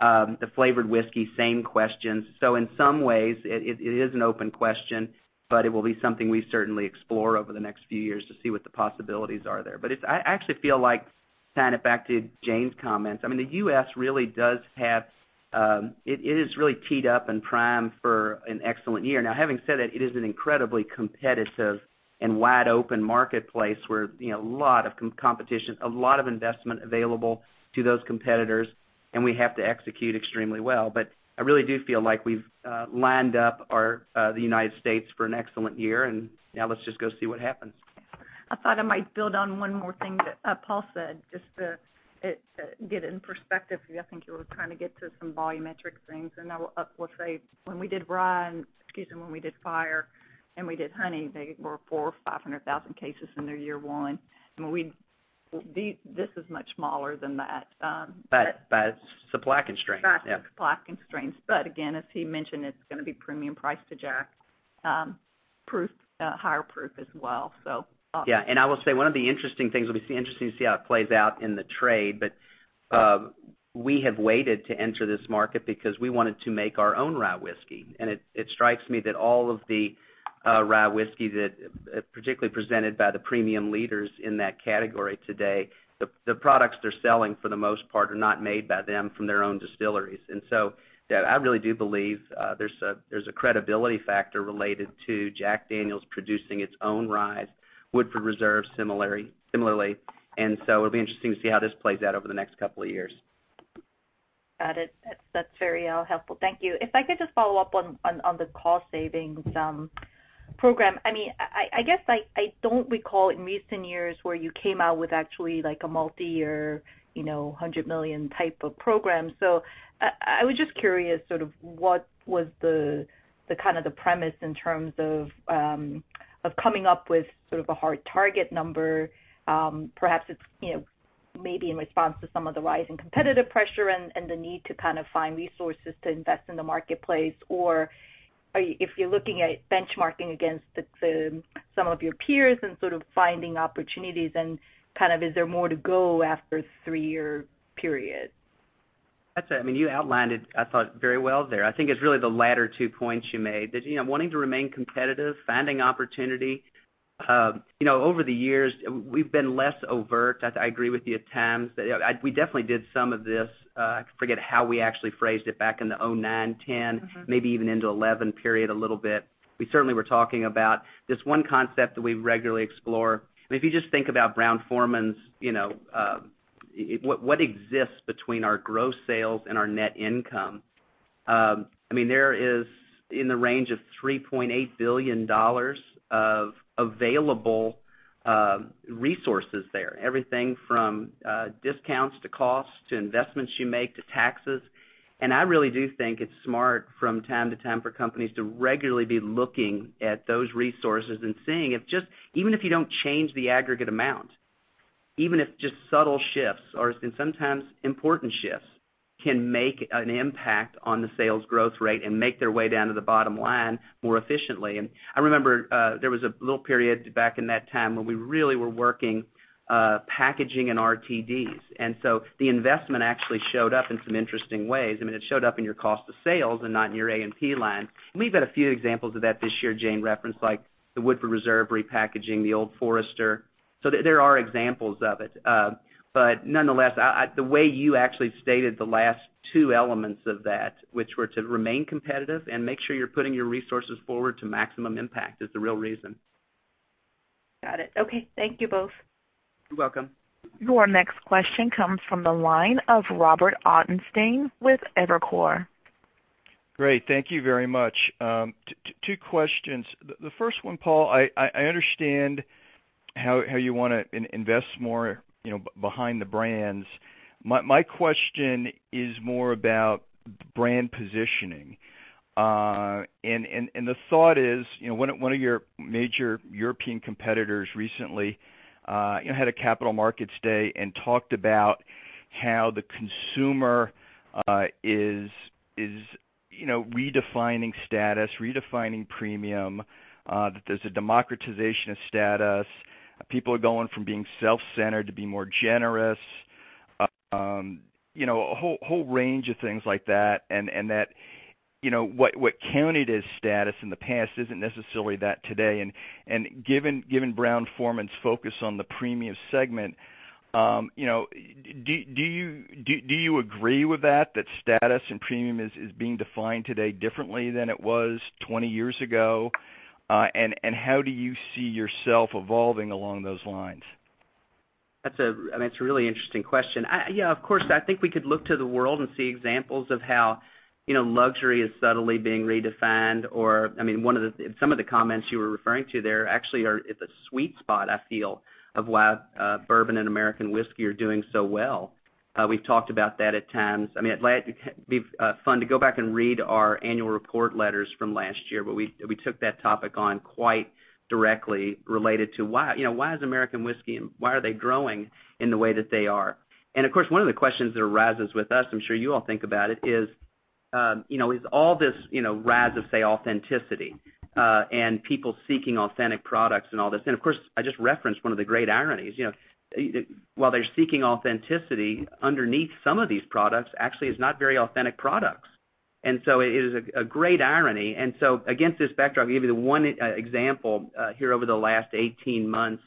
The flavored whiskey, same questions. In some ways, it is an open question, but it will be something we certainly explore over the next few years to see what the possibilities are there. I actually feel like, kind of back to Jane's comments, it is really teed up and primed for an excellent year. Having said that, it is an incredibly competitive and wide open marketplace where a lot of competition, a lot of investment available to those competitors, and we have to execute extremely well. I really do feel like we've lined up the United States for an excellent year, now let's just go see what happens. I thought I might build on one more thing that Paul said just to get it in perspective, because I think you were trying to get to some volumetric things. I will say when we did rye, and when we did Fire, and we did Honey, they were 400,000 or 500,000 cases in their year one. This is much smaller than that. Supply constraints. Supply constraints. Again, as he mentioned, it's going to be premium price to Jack proof, higher proof as well. Yeah. I will say, one of the interesting things, it'll be interesting to see how it plays out in the trade, but we have waited to enter this market because we wanted to make our own rye whiskey. It strikes me that all of the rye whiskey that, particularly presented by the premium leaders in that category today, the products they're selling for the most part are not made by them from their own distilleries. That I really do believe there's a credibility factor related to Jack Daniel's producing its own ryes, Woodford Reserve similarly. It'll be interesting to see how this plays out over the next couple of years. Got it. That's very helpful. Thank you. If I could just follow up on the cost savings program. I guess I don't recall in recent years where you came out with actually like a multi-year, $100 million type of program. I was just curious, what was the premise in terms of coming up with a hard target number? Perhaps it's maybe in response to some of the rise in competitive pressure and the need to find resources to invest in the marketplace, or if you're looking at benchmarking against some of your peers and finding opportunities, and is there more to go after a three-year period? You outlined it, I thought, very well there. I think it's really the latter two points you made, that wanting to remain competitive, finding opportunity. Over the years, we've been less overt, I agree with you, at times. We definitely did some of this, I forget how we actually phrased it back in the 2009, 2010, maybe even into 2011 period a little bit. We certainly were talking about this one concept that we regularly explore. If you just think about Brown-Forman's, what exists between our gross sales and our net income. There is in the range of $3.8 billion of available resources there. Everything from discounts to cost, to investments you make, to taxes. I really do think it's smart from time to time for companies to regularly be looking at those resources and seeing if just, even if you don't change the aggregate amount, even if just subtle shifts or sometimes important shifts, can make an impact on the sales growth rate and make their way down to the bottom line more efficiently. I remember there was a little period back in that time when we really were working packaging and RTDs. The investment actually showed up in some interesting ways. It showed up in your cost of sales and not in your A&P line. We've had a few examples of that this year, Jane referenced, like the Woodford Reserve repackaging, the Old Forester. There are examples of it. Nonetheless, the way you actually stated the last two elements of that, which were to remain competitive and make sure you're putting your resources forward to maximum impact, is the real reason. Got it. Okay. Thank you both. You're welcome. Your next question comes from the line of Robert Ottenstein with Evercore. Great. Thank you very much. Two questions. The first one, Paul, I understand how you want to invest more behind the brands. My question is more about brand positioning. The thought is, one of your major European competitors recently had a Capital Markets Day and talked about how the consumer is redefining status, redefining premium, that there's a democratization of status. People are going from being self-centered to being more generous. A whole range of things like that, and that what counted as status in the past isn't necessarily that today. Given Brown-Forman's focus on the premium segment, do you agree with that status and premium is being defined today differently than it was 20 years ago? And how do you see yourself evolving along those lines? That's a really interesting question. Yeah, of course. I think we could look to the world and see examples of how luxury is subtly being redefined or Some of the comments you were referring to there actually are at the sweet spot, I feel, of why bourbon and American whiskey are doing so well. We've talked about that at times. It'd be fun to go back and read our annual report letters from last year, but we took that topic on quite directly related to why is American whiskey, and why are they growing in the way that they are? Of course, one of the questions that arises with us, I'm sure you all think about it, is all this razz of, say, authenticity, and people seeking authentic products and all this. Of course, I just referenced one of the great ironies. While they're seeking authenticity, underneath some of these products actually is not very authentic products. It is a great irony. Against this backdrop, I'll give you the one example here over the last 18 months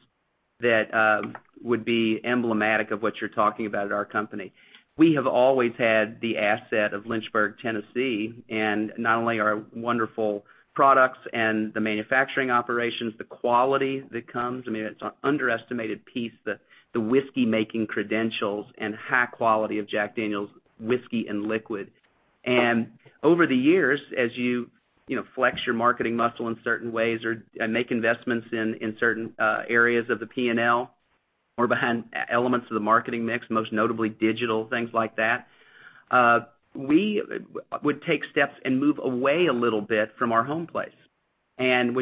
that would be emblematic of what you're talking about at our company. We have always had the asset of Lynchburg, Tennessee, and not only our wonderful products and the manufacturing operations, the quality that comes, it's an underestimated piece, the whiskey-making credentials and high quality of Jack Daniel's whiskey and liquid. Over the years, as you flex your marketing muscle in certain ways or make investments in certain areas of the P&L or behind elements of the marketing mix, most notably digital things like that, we would take steps and move away a little bit from our home place. You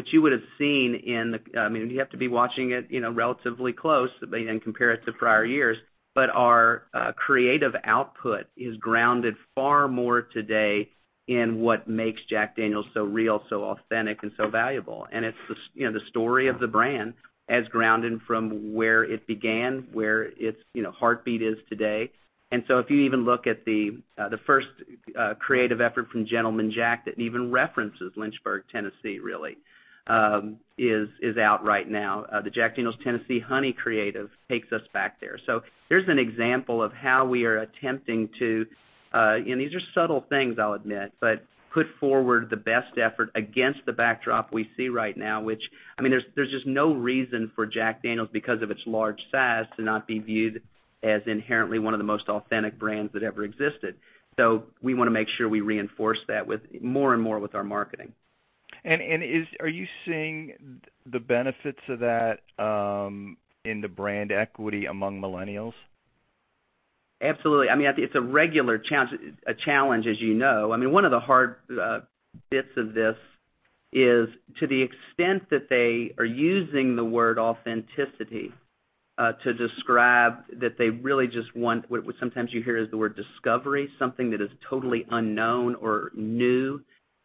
have to be watching it relatively close and compare it to prior years, but our creative output is grounded far more today in what makes Jack Daniel's so real, so authentic, and so valuable. It's the story of the brand as grounded from where it began, where its heartbeat is today. If you even look at the first creative effort from Gentleman Jack that even references Lynchburg, Tennessee, really is out right now. The Jack Daniel's Tennessee Honey creative takes us back there. Here's an example of how we are attempting to, and these are subtle things I'll admit, but put forward the best effort against the backdrop we see right now, which, there's just no reason for Jack Daniel's, because of its large size, to not be viewed as inherently one of the most authentic brands that ever existed. We want to make sure we reinforce that more and more with our marketing. Are you seeing the benefits of that in the brand equity among millennials? Absolutely. It's a regular challenge, as you know. One of the hard bits of this is to the extent that they are using the word authenticity to describe that they really just want, what sometimes you hear is the word discovery, something that is totally unknown or new.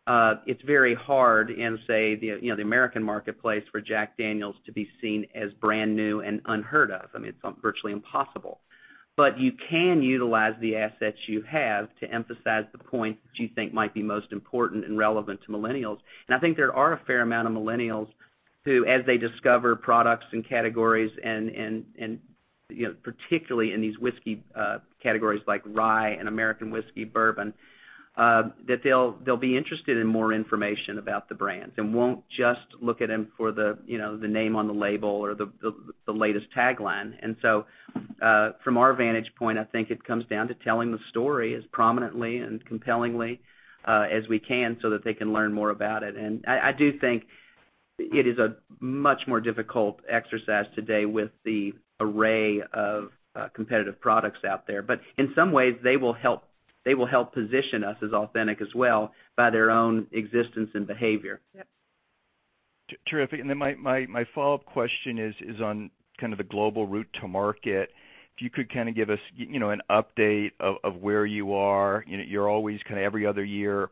It's very hard in, say, the American marketplace for Jack Daniel's to be seen as brand new and unheard of. It's virtually impossible. You can utilize the assets you have to emphasize the points that you think might be most important and relevant to millennials. I think there are a fair amount of millennials who, as they discover products and categories and particularly in these whiskey categories like rye and American whiskey bourbon, that they'll be interested in more information about the brands, and won't just look at them for the name on the label or the latest tagline. From our vantage point, I think it comes down to telling the story as prominently and compellingly as we can so that they can learn more about it. I do think it is a much more difficult exercise today with the array of competitive products out there. In some ways, they will help position us as authentic as well by their own existence and behavior. Yep. Terrific. My follow-up question is on kind of the global route to market. If you could kind of give us an update of where you are. You're always every other year,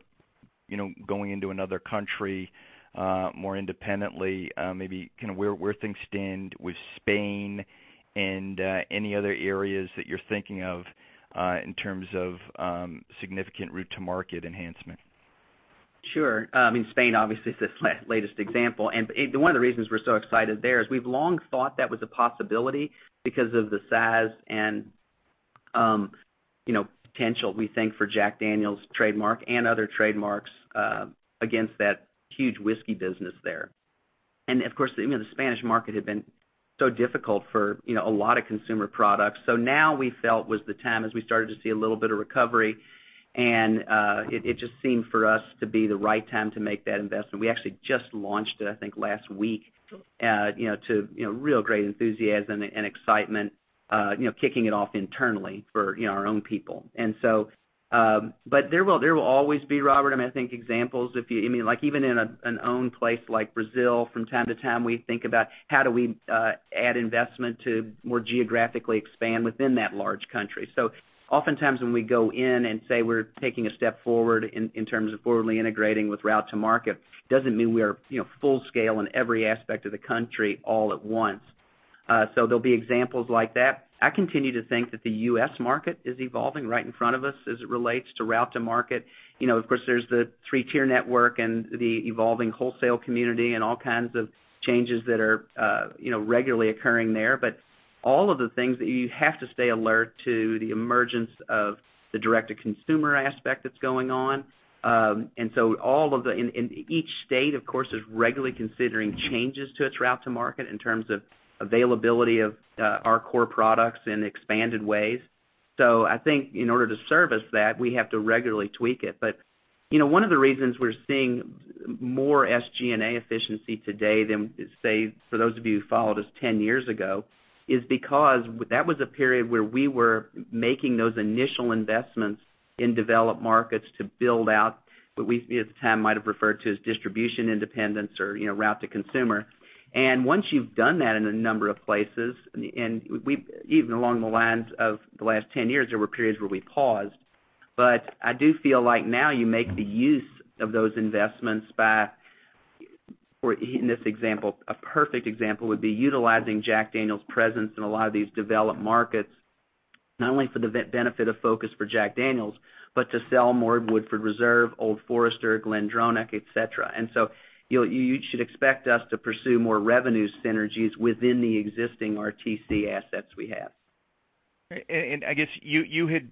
going into another country, more independently, maybe where things stand with Spain and any other areas that you're thinking of, in terms of significant route to market enhancement. Sure. Spain obviously is the latest example. One of the reasons we're so excited there is we've long thought that was a possibility because of the size and potential, we think, for Jack Daniel's trademark and other trademarks, against that huge whiskey business there. Of course, the Spanish market had been so difficult for a lot of consumer products. Now we felt was the time, as we started to see a little bit of recovery, and it just seemed for us to be the right time to make that investment. We actually just launched it, I think last week to real great enthusiasm and excitement, kicking it off internally for our own people. There will always be, Robert, I think examples if you Like even in an own place like Brazil. From time to time, we think about how do we add investment to more geographically expand within that large country. Oftentimes when we go in and say we're taking a step forward in terms of forwardly integrating with route to market, doesn't mean we are full scale in every aspect of the country all at once. There'll be examples like that. I continue to think that the U.S. market is evolving right in front of us as it relates to route to market. Of course, there's the three-tier network and the evolving wholesale community and all kinds of changes that are regularly occurring there. All of the things that you have to stay alert to the emergence of the direct-to-consumer aspect that's going on. Each state, of course, is regularly considering changes to its route to market in terms of availability of our core products in expanded ways. I think in order to service that, we have to regularly tweak it. One of the reasons we're seeing more SG&A efficiency today than, say, for those of you who followed us 10 years ago, is because that was a period where we were making those initial investments in developed markets to build out what we at the time might've referred to as distribution independence or route to consumer. Once you've done that in a number of places, and even along the lines of the last 10 years, there were periods where we paused, but I do feel like now you make the use of those investments by, or in this example, a perfect example would be utilizing Jack Daniel's presence in a lot of these developed markets, not only for the benefit of focus for Jack Daniel's, but to sell more Woodford Reserve, Old Forester, GlenDronach, et cetera. You should expect us to pursue more revenue synergies within the existing RTC assets we have. I guess you had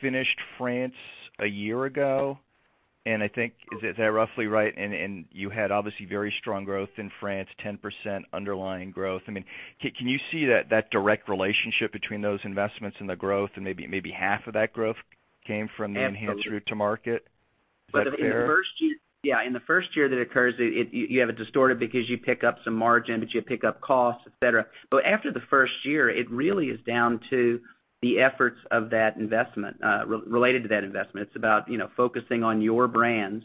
finished France a year ago, and I think, is that roughly right? You had obviously very strong growth in France, 10% underlying growth. Can you see that direct relationship between those investments and the growth and maybe half of that growth came from the enhanced- Absolutely route to market? In the first year that occurs, you have a distortive because you pick up some margin, you pick up costs, et cetera. After the first year, it really is down to the efforts of that investment, related to that investment. It's about focusing on your brands.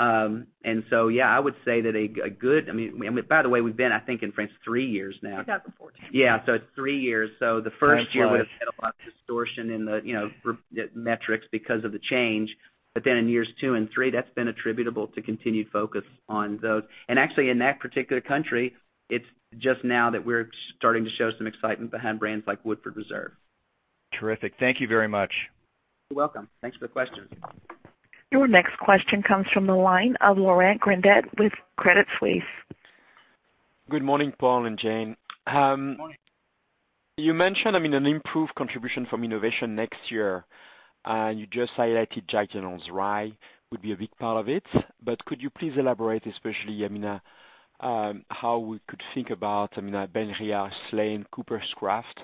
Yeah, I would say that By the way, we've been, I think, in France 3 years now. 2014. Yeah. It's 3 years. The first year would've had a lot of distortion in the metrics because of the change. In years 2 and 3, that's been attributable to continued focus on those. Actually in that particular country, it's just now that we're starting to show some excitement behind brands like Woodford Reserve. Terrific. Thank you very much. You're welcome. Thanks for the question. Your next question comes from the line of Laurent Grandet with Credit Suisse. Good morning, Paul and Jane. Morning. You mentioned an improved contribution from innovation next year. You just highlighted Jack Daniel's Rye would be a big part of it. Could you please elaborate, especially, how we could think about Benriach, Slane, Coopers' Craft?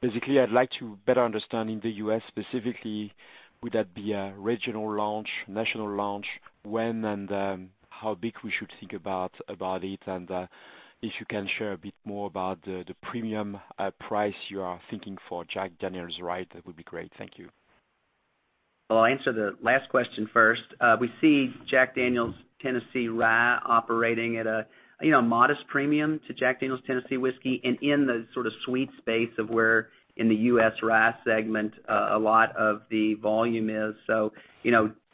Basically, I'd like to better understand in the U.S. specifically, would that be a regional launch, national launch? When and how big we should think about it? If you can share a bit more about the premium price you are thinking for Jack Daniel's Rye, that would be great. Thank you. Well, I'll answer the last question first. We see Jack Daniel's Tennessee Rye operating at a modest premium to Jack Daniel's Tennessee Whiskey, and in the sweet space of where, in the U.S. rye segment, a lot of the volume is.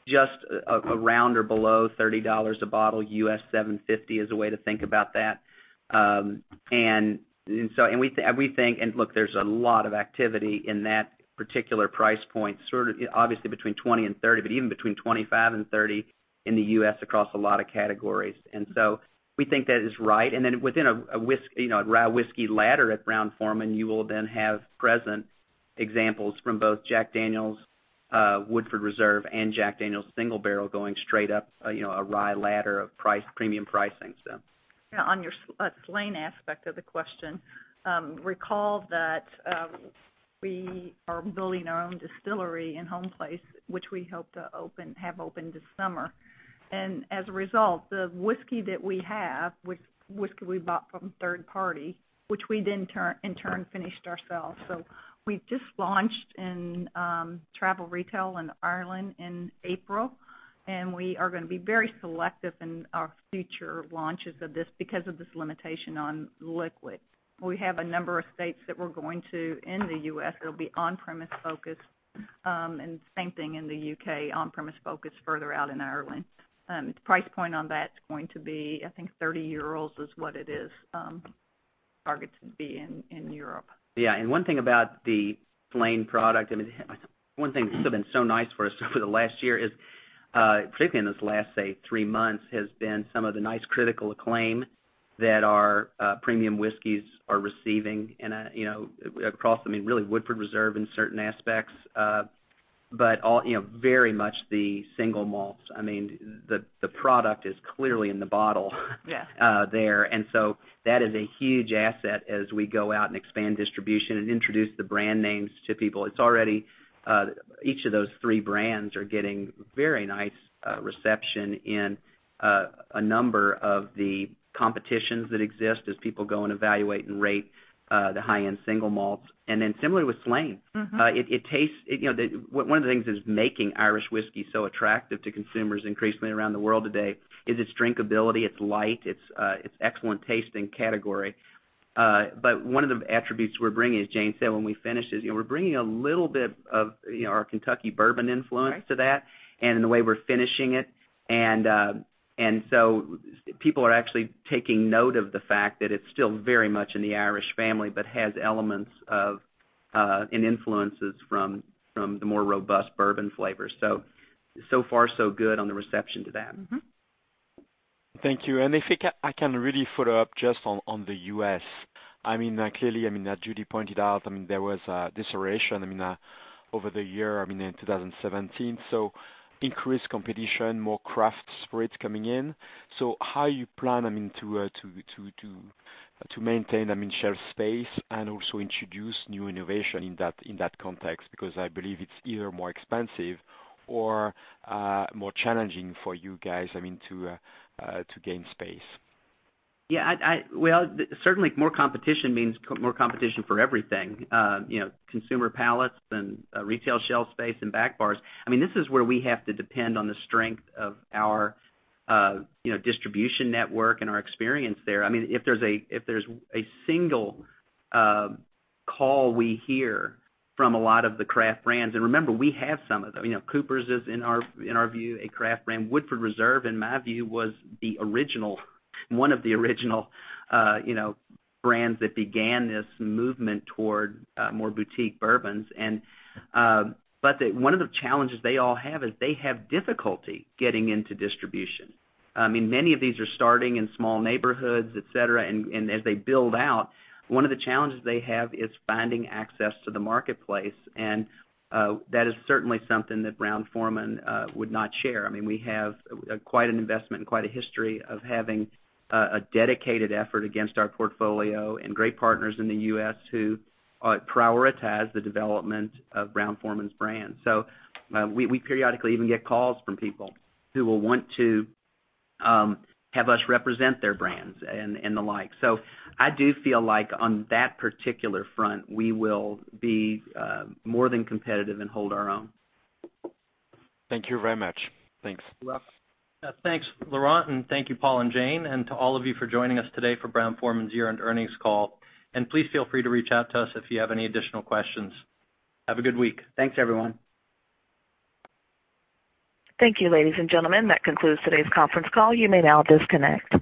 Just around or below $30 a bottle, U.S. 750 is a way to think about that. Look, there's a lot of activity in that particular price point, obviously between $20-$30, but even between $25-$30 in the U.S. across a lot of categories. We think that is right. Then within a rye whiskey ladder at Brown-Forman, you will then have present examples from both Jack Daniel's, Woodford Reserve, and Jack Daniel's Single Barrel going straight up a rye ladder of premium pricing. On your Slane aspect of the question, recall that we are building our own distillery in Homeplace, which we hope to have open this summer. As a result, the whiskey that we have, whiskey we bought from third party, which we then in turn finished ourselves. We've just launched in travel retail in Ireland in April, and we are going to be very selective in our future launches of this because of this limitation on liquid. We have a number of states that we're going to in the U.S. that'll be on-premise focused, and same thing in the U.K., on-premise focused further out in Ireland. The price point on that's going to be, I think 30 euros is what it is targeted to be in Europe. Yeah. One thing about the Slane product, one thing that's been so nice for us over the last year is, particularly in this last, say, three months, has been some of the nice critical acclaim that our premium whiskeys are receiving across, really Woodford Reserve in certain aspects. Very much the single malts. The product is clearly in the bottle there. Yeah. That is a huge asset as we go out and expand distribution and introduce the brand names to people. Each of those three brands are getting very nice reception in a number of the competitions that exist as people go and evaluate and rate the high-end single malts. Similarly with Slane. One of the things that is making Irish whiskey so attractive to consumers increasingly around the world today is its drinkability. It's light, it's excellent taste in category. One of the attributes we're bringing, as Jane said, when we finish this, we're bringing a little bit of our Kentucky bourbon influence to that, and in the way we're finishing it. People are actually taking note of the fact that it's still very much in the Irish family, but has elements of, and influences from the more robust bourbon flavors. Far so good on the reception to that. Thank you. If I can really follow up just on the U.S. Clearly, as Judy pointed out, there was a deceleration over the year, in 2017. Increased competition, more craft spirits coming in. How you plan to maintain shelf space and also introduce new innovation in that context? I believe it's either more expensive or more challenging for you guys to gain space. Certainly more competition means more competition for everything. Consumer palates and retail shelf space and back bars. This is where we have to depend on the strength of our distribution network and our experience there. If there's a single call we hear from a lot of the craft brands, and remember, we have some of them. Coopers' is, in our view, a craft brand. Woodford Reserve, in my view, was one of the original brands that began this movement toward more boutique bourbons. One of the challenges they all have is they have difficulty getting into distribution. Many of these are starting in small neighborhoods, et cetera, and as they build out, one of the challenges they have is finding access to the marketplace. That is certainly something that Brown-Forman would not share. We have quite an investment and quite a history of having a dedicated effort against our portfolio and great partners in the U.S. who prioritize the development of Brown-Forman's brand. We periodically even get calls from people who will want to have us represent their brands and the like. I do feel like on that particular front, we will be more than competitive and hold our own. Thank you very much. Thanks. You're welcome. Thanks, Laurent, and thank you, Paul and Jane, and to all of you for joining us today for Brown-Forman's year-end earnings call. Please feel free to reach out to us if you have any additional questions. Have a good week. Thanks, everyone. Thank you, ladies and gentlemen. That concludes today's conference call. You may now disconnect.